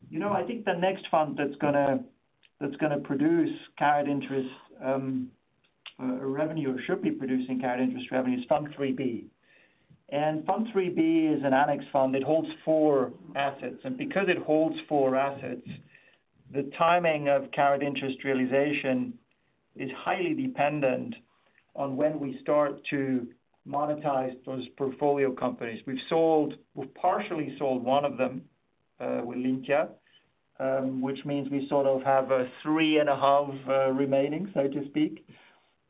you know, I think the next fund that's going to produce carried interest revenue or should be producing carried interest revenue is Fund III-B. Fund III-B is an annex fund. It holds four assets. Because it holds four assets, the timing of carried interest realization is highly dependent on when we start to monetize those portfolio companies. We've partially sold one of them, with Lyntia, which means we sort of have a three and a half remaining, so to speak.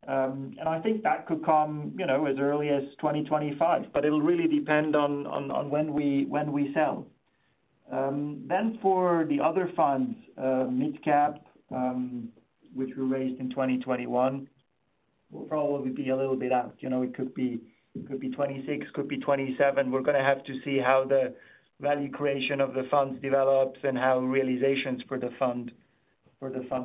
I think that could come, you know, as early as 2025. But it'll really depend on when we sell. Then for the other funds, Mid Cap, which were raised in 2021, we'll probably be a little bit out. You know, it could be 2026, could be 2027. We're going to have to see how the value creation of the funds develops and how realizations for the fund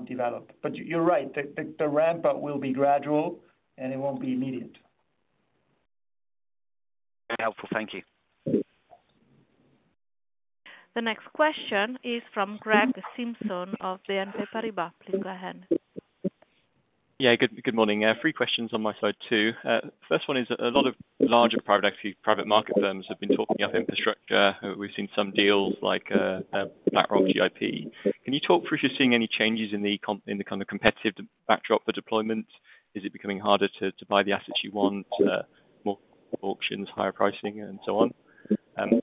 develop. But you're right. The ramp-up will be gradual, and it won't be immediate. Very helpful. Thank you. The next question is from Greg Simpson of BNP Paribas. Please go ahead. Yeah. Good morning. Three questions on my side too. First one is a lot of larger private equity private market firms have been talking up infrastructure. We've seen some deals like BlackRock, GIP. Can you talk through if you're seeing any changes in the kind of competitive backdrop for deployment? Is it becoming harder to buy the assets you want, more auctions, higher pricing, and so on?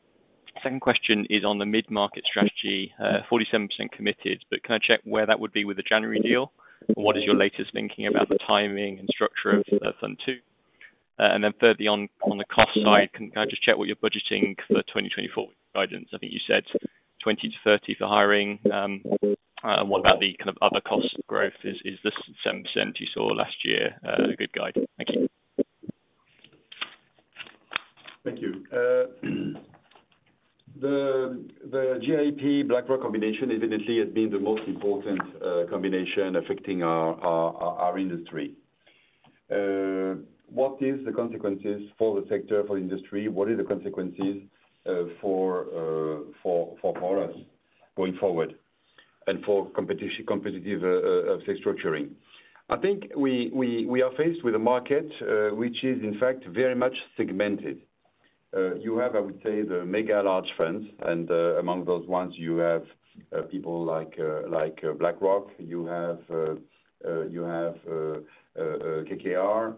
Second question is on the mid-market strategy, 47% committed. But can I check where that would be with the January deal? And what is your latest thinking about the timing and structure of Fund II? And then thirdly, on the cost side, can I just check what you're budgeting for 2024 with guidance? I think you said 20-30 for hiring. And what about the kind of other cost growth? Is the 7% you saw last year a good guide? Thank you. Thank you. The GIP-BlackRock combination, evidently, has been the most important combination affecting our industry. What is the consequences for the sector, for the industry? What are the consequences for us going forward and for competitive structuring? I think we are faced with a market which is, in fact, very much segmented. You have, I would say, the mega-large funds. Among those ones, you have people like BlackRock. You have KKR.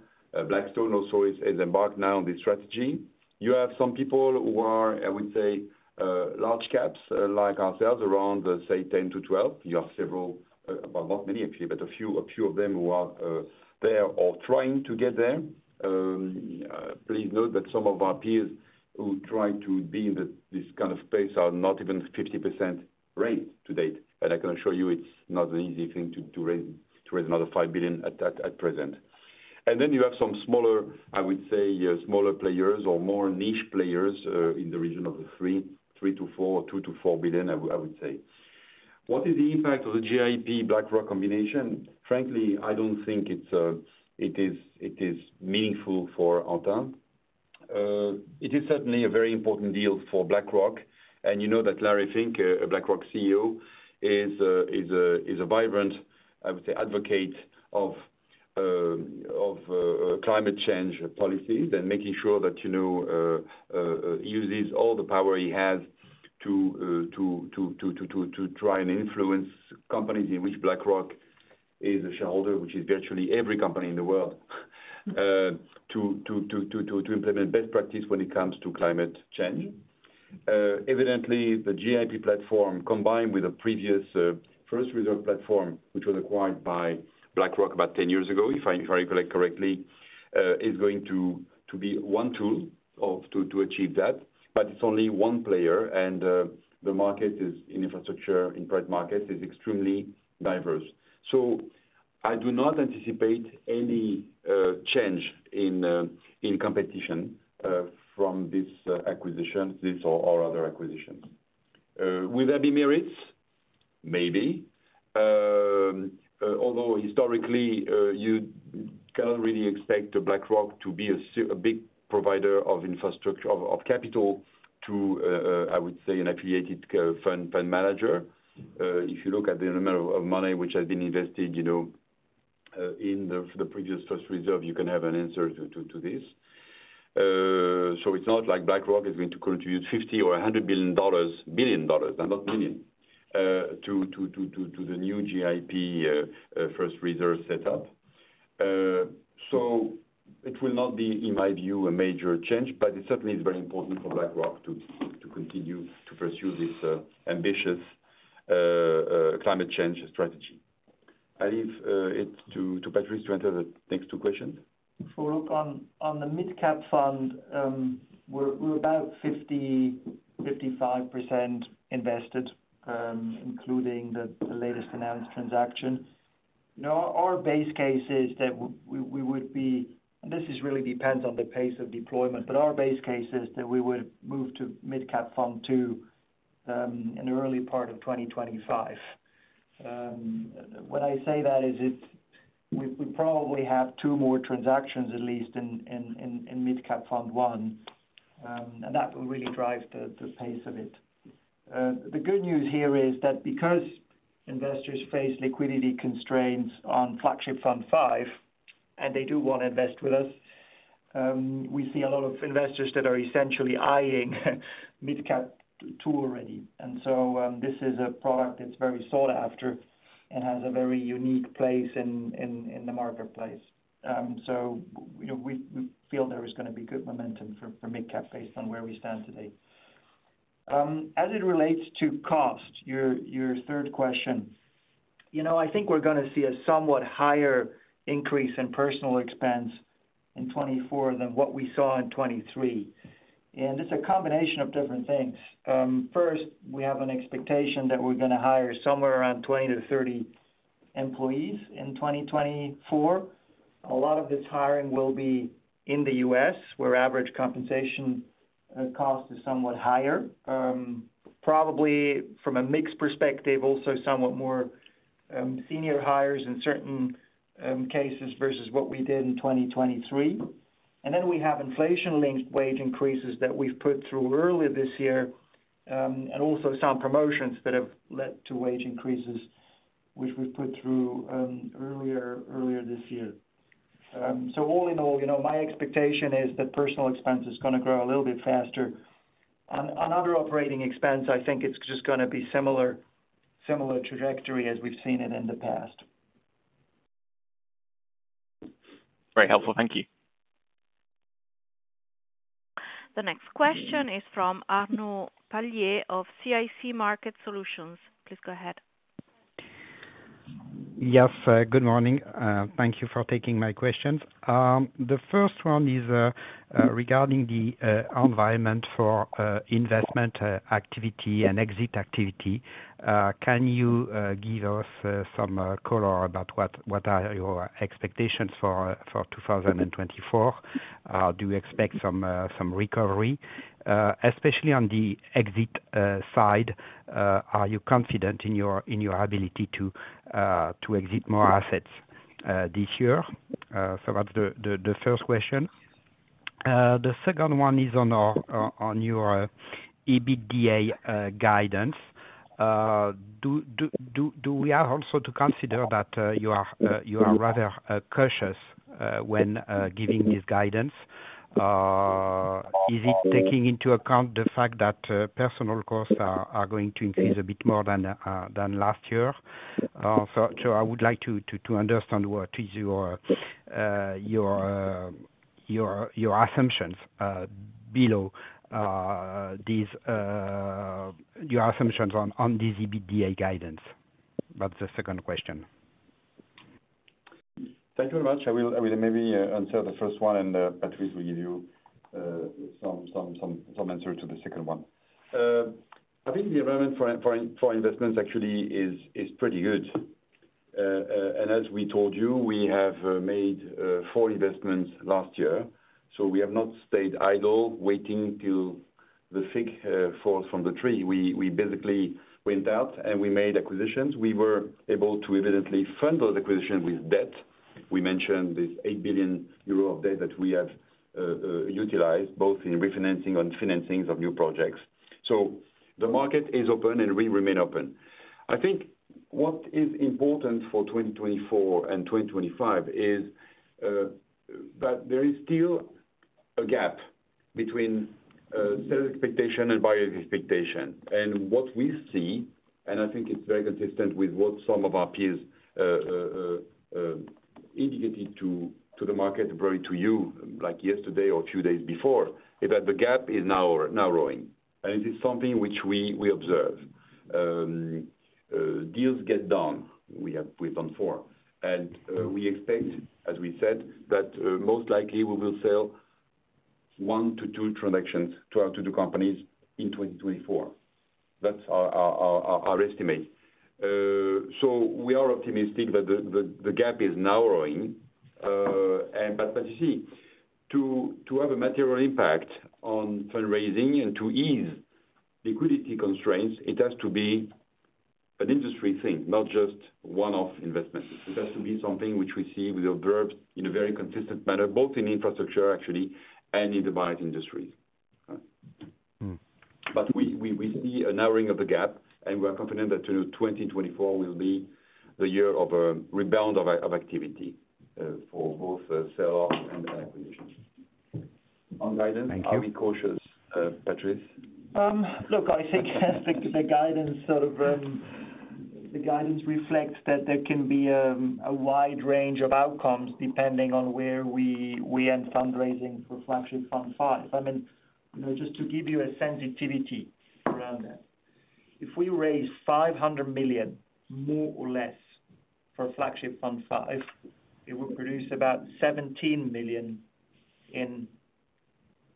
Blackstone also is embarked now on this strategy. You have some people who are, I would say, large caps, like ourselves, around, say, 10-12. You have several, well, not many actually, but a few of them who are there or trying to get there. Please note that some of our peers who try to be in this kind of space are not even 50% rate to date. And I can assure you, it's not an easy thing to raise another $5 billion at present. And then you have some smaller, I would say, smaller players or more niche players, in the region of the $3 billion-$4 billion or $2 billion-$4 billion, I would say. What is the impact of the GIP-BlackRock combination? Frankly, I don't think it's meaningful for Antin. It is certainly a very important deal for BlackRock. And you know that Larry Fink, BlackRock CEO, is a vibrant, I would say, advocate of climate change policies and making sure that, you know, uses all the power he has to try and influence companies in which BlackRock is a shareholder, which is virtually every company in the world, to implement best practice when it comes to climate change. Evidently, the GIP platform, combined with the previous First Reserve platform, which was acquired by BlackRock about 10 years ago, if I recollect correctly, is going to be one tool to achieve that. But it's only one player. The market in infrastructure, in private markets, is extremely diverse. So I do not anticipate any change in competition from this acquisition or other acquisitions. Will there be merits? Maybe. Although historically, you cannot really expect BlackRock to be a big provider of infrastructure capital to, I would say, an affiliated fund manager. If you look at the amount of money which has been invested, you know, in the previous First Reserve, you can have an answer to this. So it's not like BlackRock is going to contribute $50 billion or $100 billion, and not million, to the new GIP First Reserve setup. So it will not be, in my view, a major change. But it certainly is very important for BlackRock to continue to pursue this ambitious climate change strategy. I leave it to Patrice to answer the next two questions. If we look on the Mid Cap Fund, we're about 50%-55% invested, including the latest announced transaction. You know, our base case is that we would be and this really depends on the pace of deployment. But our base case is that we would move to Mid Cap Fund II in the early part of 2025. When I say that is, it's we probably have two more transactions, at least, in Mid Cap Fund I and that will really drive the pace of it. The good news here is that because investors face liquidity constraints on Flagship Fund V, and they do want to invest with us, we see a lot of investors that are essentially eyeing Mid Cap Fund II already. And so, this is a product that's very sought after and has a very unique place in in in the marketplace. So, you know, we we feel there is going to be good momentum for for Mid Cap Fund II based on where we stand today. As it relates to cost, your your third question, you know, I think we're going to see a somewhat higher increase in personnel expense in 2024 than what we saw in 2023. And it's a combination of different things. First, we have an expectation that we're going to hire somewhere around 20 to 30 employees in 2024. A lot of this hiring will be in the U.S., where average compensation cost is somewhat higher, probably from a mixed perspective, also somewhat more senior hires in certain cases versus what we did in 2023. And then we have inflation-linked wage increases that we've put through earlier this year, and also some promotions that have led to wage increases, which we've put through earlier this year. So all in all, you know, my expectation is that personnel expense is going to grow a little bit faster. On other operating expense, I think it's just going to be similar trajectory as we've seen it in the past. Very helpful. Thank you. The next question is from Arnaud Palliez of CIC Market Solutions. Please go ahead. Yes. Good morning. Thank you for taking my questions. The first one is regarding the environment for investment activity and exit activity. Can you give us some color about what your expectations are for 2024? Do you expect some recovery, especially on the exit side? Are you confident in your ability to exit more assets this year? So that's the first question. The second one is on your EBITDA guidance. Do we also to consider that you are rather cautious when giving this guidance? Is it taking into account the fact that personnel costs are going to increase a bit more than last year? So I would like to understand what your assumptions are below these, your assumptions on this EBITDA guidance. That's the second question. Thank you very much. I will maybe answer the first one. And, Patrice, we'll give you some answer to the second one. I think the environment for investments, actually, is pretty good. And as we told you, we have made four investments last year. So we have not stayed idle waiting till the fig falls from the tree. We basically went out, and we made acquisitions. We were able to, evidently, fund those acquisitions with debt. We mentioned this 8 billion euro of debt that we have utilized both in refinancing and financings of new projects. So the market is open, and we remain open. I think what is important for 2024 and 2025 is that there is still a gap between sales expectation and buyer expectation. What we see and I think it's very consistent with what some of our peers indicated to the market, probably to you, like yesterday or a few days before is that the gap is now growing. It is something which we observe. Deals get done. We have done four. We expect, as we said, that most likely we will sell one to two transactions to our two, two companies in 2024. That's our estimate. So we are optimistic that the gap is narrowing. But you see, to have a material impact on fundraising and to ease liquidity constraints, it has to be an industry thing, not just one-off investments. It has to be something which we observe in a very consistent manner, both in infrastructure, actually, and in the buyer's industries. But we see a narrowing of the gap. And we are confident that, you know, 2024 will be the year of a rebound of activity, for both sell-off and acquisitions. On guidance, are we cautious, Patrice? Look, I think the guidance sort of, the guidance reflects that there can be, a wide range of outcomes depending on where we end fundraising for Flagship Fund V. I mean, you know, just to give you a sensitivity around that, if we raise 500 million, more or less, for Flagship Fund V, it would produce about 17 million in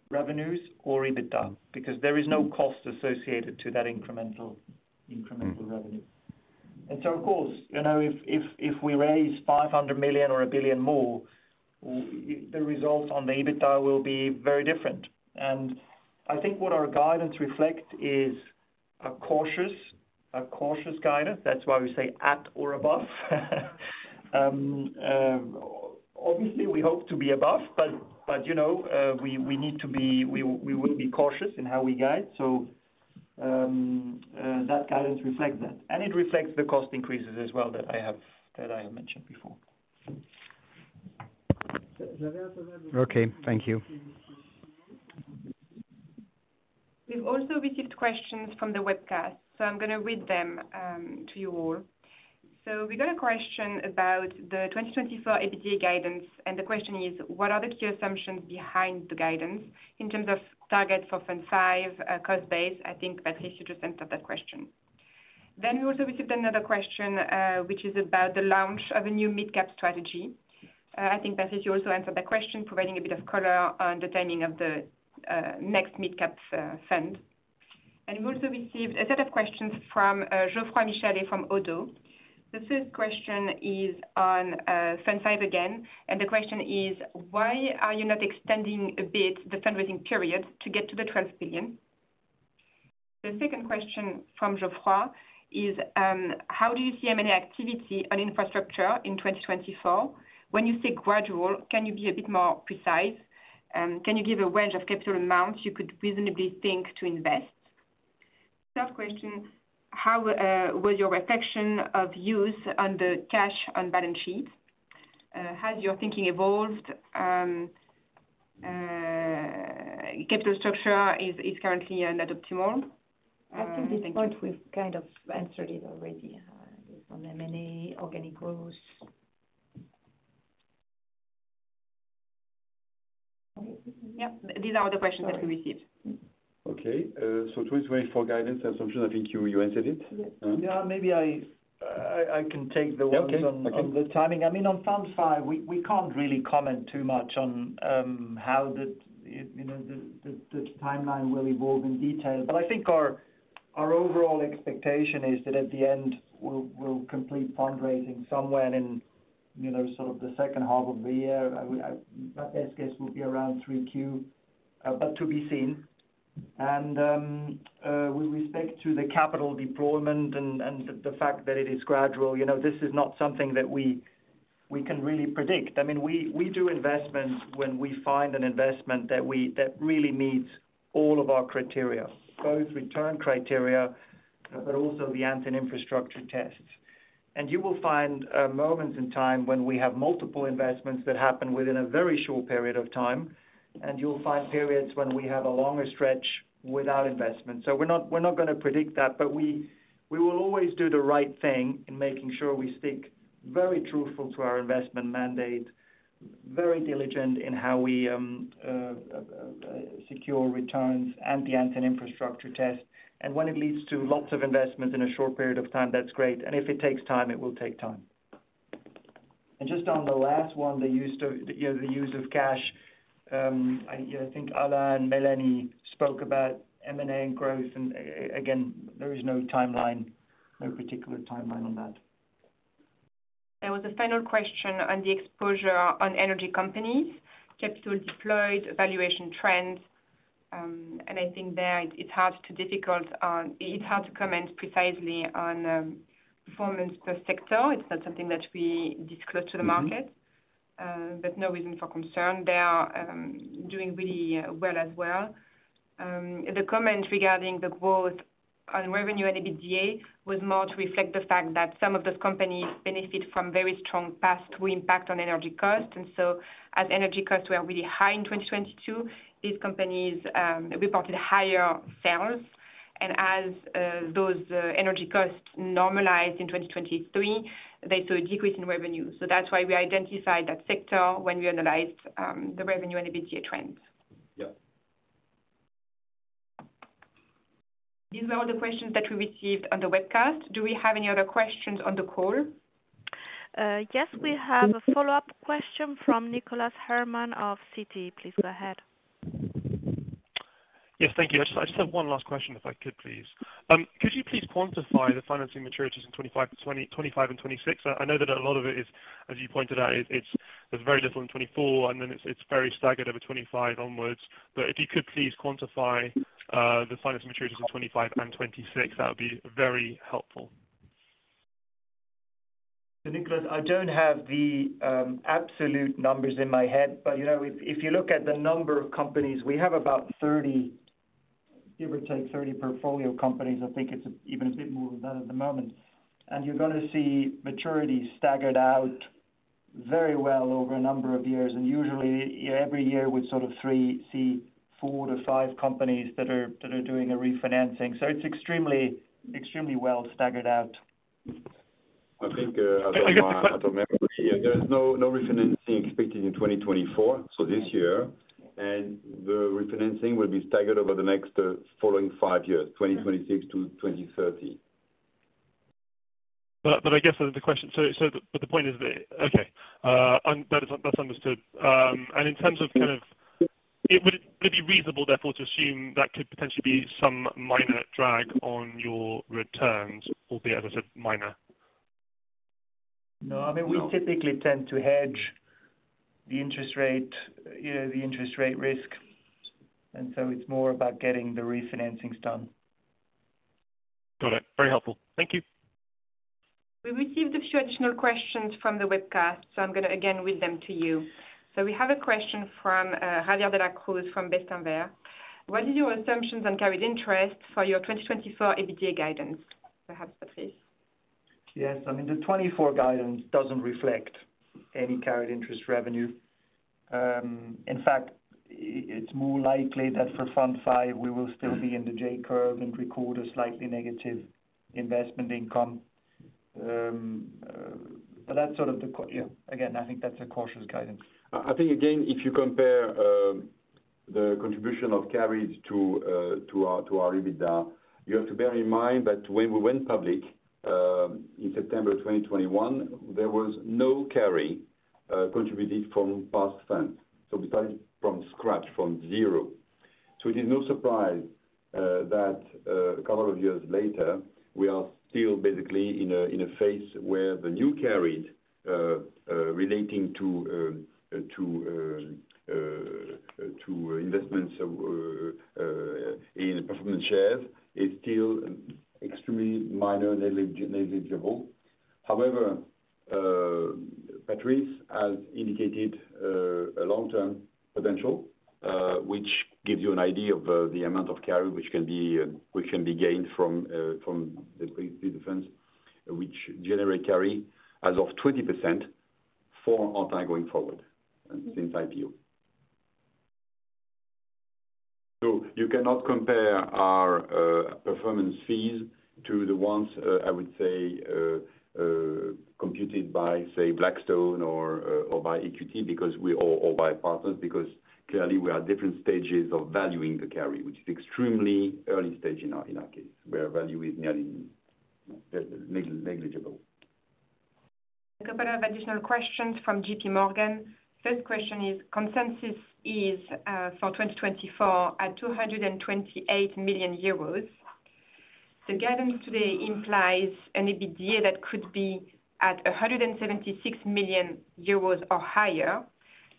revenues or EBITDA because there is no cost associated to that incremental revenue. And so, of course, you know, if we raise 500 million or 1 billion more, the results on the EBITDA will be very different. I think what our guidance reflects is a cautious guidance. That's why we say at or above. Obviously, we hope to be above. But, you know, we need to be we will be cautious in how we guide. So, that guidance reflects that. And it reflects the cost increases as well that I have mentioned before. Okay. Thank you. We've also received questions from the webcast. So I'm going to read them to you all. We got a question about the 2024 EBITDA guidance. And the question is, what are the key assumptions behind the guidance in terms of targets for Fund V, cost base? I think, Patrice, you just answered that question. Then we also received another question, which is about the launch of a new mid-cap strategy. I think, Patrice, you also answered that question, providing a bit of color on the timing of the next mid-cap fund. We also received a set of questions from Geoffroy Michalet from ODDO. The first question is on Fund V again. The question is, why are you not extending a bit the fundraising period to get to the 12 billion? The second question from Geoffroy is, how do you see M&A activity on infrastructure in 2024? When you say gradual, can you be a bit more precise? Can you give a range of capital amounts you could reasonably think to invest? Third question, how was your reflection of use on the cash on balance sheet? Has your thinking evolved? Capital structure is currently not optimal. I think we've kind of answered it already, on M&A, organic growth. Yep. These are all the questions that we received. Okay. So, 2024 guidance assumptions, I think you answered it. Yes. Yeah. Maybe I can take the ones on the timing. I mean, on Fund V, we can't really comment too much on how the, you know, the timeline will evolve in detail. But I think our overall expectation is that, at the end, we'll complete fundraising somewhere in, you know, sort of the second half of the year. I would, my best guess would be around 3Q, but to be seen. And, with respect to the capital deployment and the fact that it is gradual, you know, this is not something that we can really predict. I mean, we do investments when we find an investment that we really meets all of our criteria, both return criteria, but also the Antin Infrastructure Tests. And you will find moments in time when we have multiple investments that happen within a very short period of time. And you'll find periods when we have a longer stretch without investments. So we're not going to predict that. But we will always do the right thing in making sure we stick very truthful to our investment mandate, very diligent in how we secure returns and the Antin infrastructure test. And when it leads to lots of investments in a short period of time, that's great. And if it takes time, it will take time. And just on the last one, the use of you know, the use of cash, I you know, I think Alain and Mélanie spoke about M&A and growth. And again, there is no timeline, no particular timeline on that. There was a final question on the exposure on energy companies, capital deployed, valuation trends, and I think there it's hard to comment precisely on performance per sector. It's not something that we disclose to the market, but no reason for concern. They are doing really well as well. The comment regarding the growth on revenue and EBITDA was more to reflect the fact that some of those companies benefit from very strong pass-through impact on energy cost. And so, as energy costs were really high in 2022, these companies reported higher sales. And as those energy costs normalized in 2023, they saw a decrease in revenue. So that's why we identified that sector when we analyzed the revenue and EBITDA trends. Yep. These are all the questions that we received on the webcast. Do we have any other questions on the call? Yes. We have a follow-up question from Nicholas Herman of Citi. Please go ahead. Yes. Thank you. I just have one last question, if I could, please. Could you please quantify the financing maturities in 2025 to 2026? I know that a lot of it is, as you pointed out, it's there's very little in 2024. And then it's very staggered over 2025 onwards. But if you could please quantify the financing maturities in 2025 and 2026, that would be very helpful. So, Nicholas, I don't have the absolute numbers in my head. But you know, if you look at the number of companies, we have about 30, give or take 30 portfolio companies. I think it's even a bit more than that at the moment. And you're going to see maturities staggered out very well over a number of years. Usually, you know, every year with sort of three or four to five companies that are doing a refinancing. So it's extremely well staggered out. I think, as of my memory, there is no refinancing expected in 2024, so this year. The refinancing will be staggered over the next following five years, 2026 to 2030. But I guess that's the question. So but the point is that okay, that is, that's understood. In terms of kind of it would be reasonable, therefore, to assume that could potentially be some minor drag on your returns, albeit, as I said, minor? No. I mean, we typically tend to hedge the interest rate, you know, the interest rate risk. And so it's more about getting the refinancings done. Got it. Very helpful. Thank you. We received a few additional questions from the webcast. So I'm going to, again, read them to you. So we have a question from Javier de la Cruz from Bestinver. What is your assumptions on carried interest for your 2024 EBITDA guidance? Perhaps, Patrice. Yes. I mean, the 2024 guidance doesn't reflect any carried interest revenue. In fact, it's more likely that, for Fund V, we will still be in the J-curve and record a slightly negative investment income. But that's sort of the yeah. Again, I think that's a cautious guidance. I think, again, if you compare the contribution of carried to, to our to our EBITDA, you have to bear in mind that, when we went public in September 2021, there was no carry contributed from past funds. So we started from scratch, from zero. So it is no surprise that a couple of years later we are still basically in a phase where the new carried relating to investments in performance shares is still extremely minor and negligible. However, Patrice has indicated a long-term potential, which gives you an idea of the amount of carry which can be gained from the [PDF] funds, which generate carry as of 20% for our time going forward and since IPO. So you cannot compare our performance fees to the ones I would say computed by say Blackstone or by EQT or by partners because clearly we are different stages of valuing the carry, which is extremely early stage in our case where value is nearly negligible. A couple of additional questions from JPMorgan. First question is, consensus is, for 2024 at 228 million euros. The guidance today implies an EBITDA that could be at 176 million euros or higher.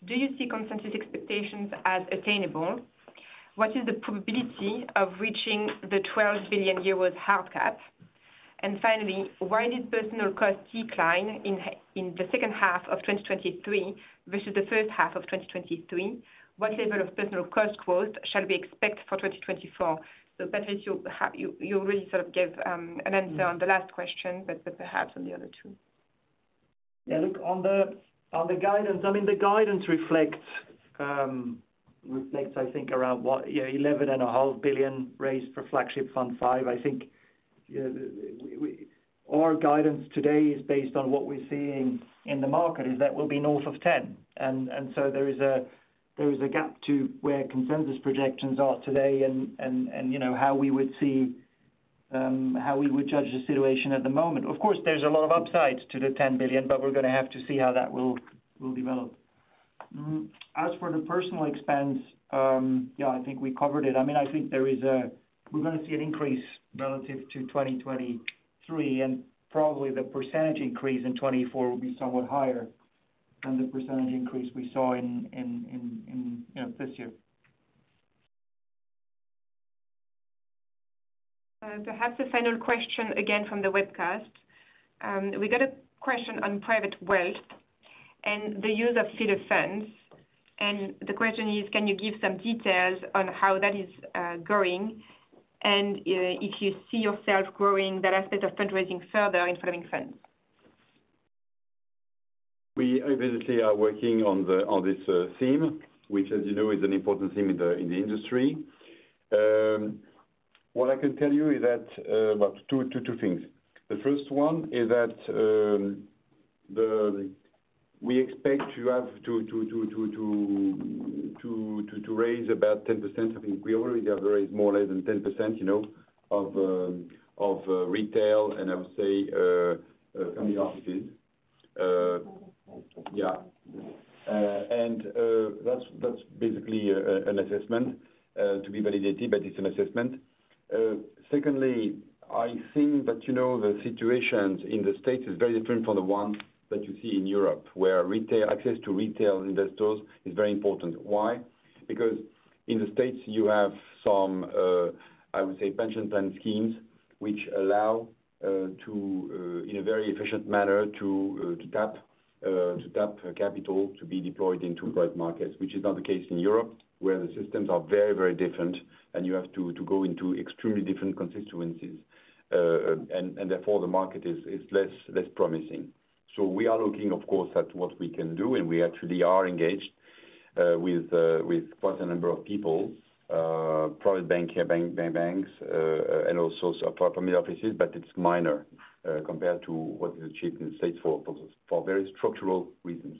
Do you see consensus expectations as attainable? What is the probability of reaching the 12 billion euros hard cap? And finally, why did personnel cost decline in the second half of 2023 versus the first half of 2023? What level of personnel cost growth shall we expect for 2024? So, Patrice, you have already sort of gave an answer on the last question. But perhaps on the other two. Yeah. Look, on the guidance I mean, the guidance reflects, I think, around what, you know, 11.5 billion raised for Flagship Fund V. I think, you know, our guidance today is based on what we're seeing in the market is that we'll be north of 10. And so there is a gap to where consensus projections are today and, you know, how we would see, how we would judge the situation at the moment. Of course, there's a lot of upside to the 10 billion. But we're going to have to see how that will develop. As for the personnel expense, yeah, I think we covered it. I mean, I think there is; we're going to see an increase relative to 2023. And probably, the percentage increase in 2024 will be somewhat higher than the percentage increase we saw in, you know, this year. Perhaps a final question, again, from the webcast. We got a question on private wealth and the use of feeder funds. The question is, can you give some details on how that is growing and if you see yourself growing that aspect of fundraising further in following funds? We obviously are working on this theme, which, as you know, is an important theme in the industry. What I can tell you is that, well, two things. The first one is that we expect to raise about 10%. I think we already have raised more than 10%, you know, of retail and, I would say, family offices. Yeah. And that's basically an assessment to be validated. But it's an assessment. Secondly, I think that, you know, the situations in the States is very different from the ones that you see in Europe, where retail access to retail investors is very important. Why? Because, in the States, you have some, I would say, pension plan schemes which allow, to, in a very efficient manner to, to tap capital to be deployed into private markets, which is not the case in Europe, where the systems are very, very different. And you have to go into extremely different constituencies. And therefore, the market is less promising. So we are looking, of course, at what we can do. And we actually are engaged, with, with quite a number of people, private banks here, banks, and also some family offices. But it's minor, compared to what is achieved in the States for very structural reasons.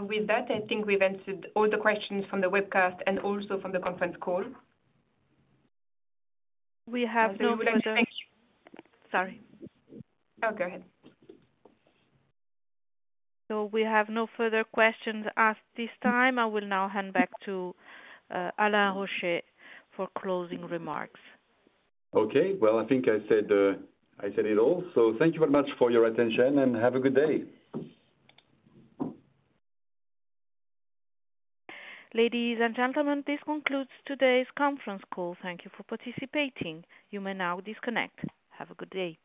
With that, I think we've answered all the questions from the webcast and also from the conference call. We have no further questions. Sorry. Oh, go ahead. So we have no further questions asked this time. I will now hand back to Alain Rauscher for closing remarks. Okay. Well, I think I said, I said it all. So thank you very much for your attention. And have a good day. Ladies and gentlemen, this concludes today's conference call. Thank you for participating. You may now disconnect. Have a good day.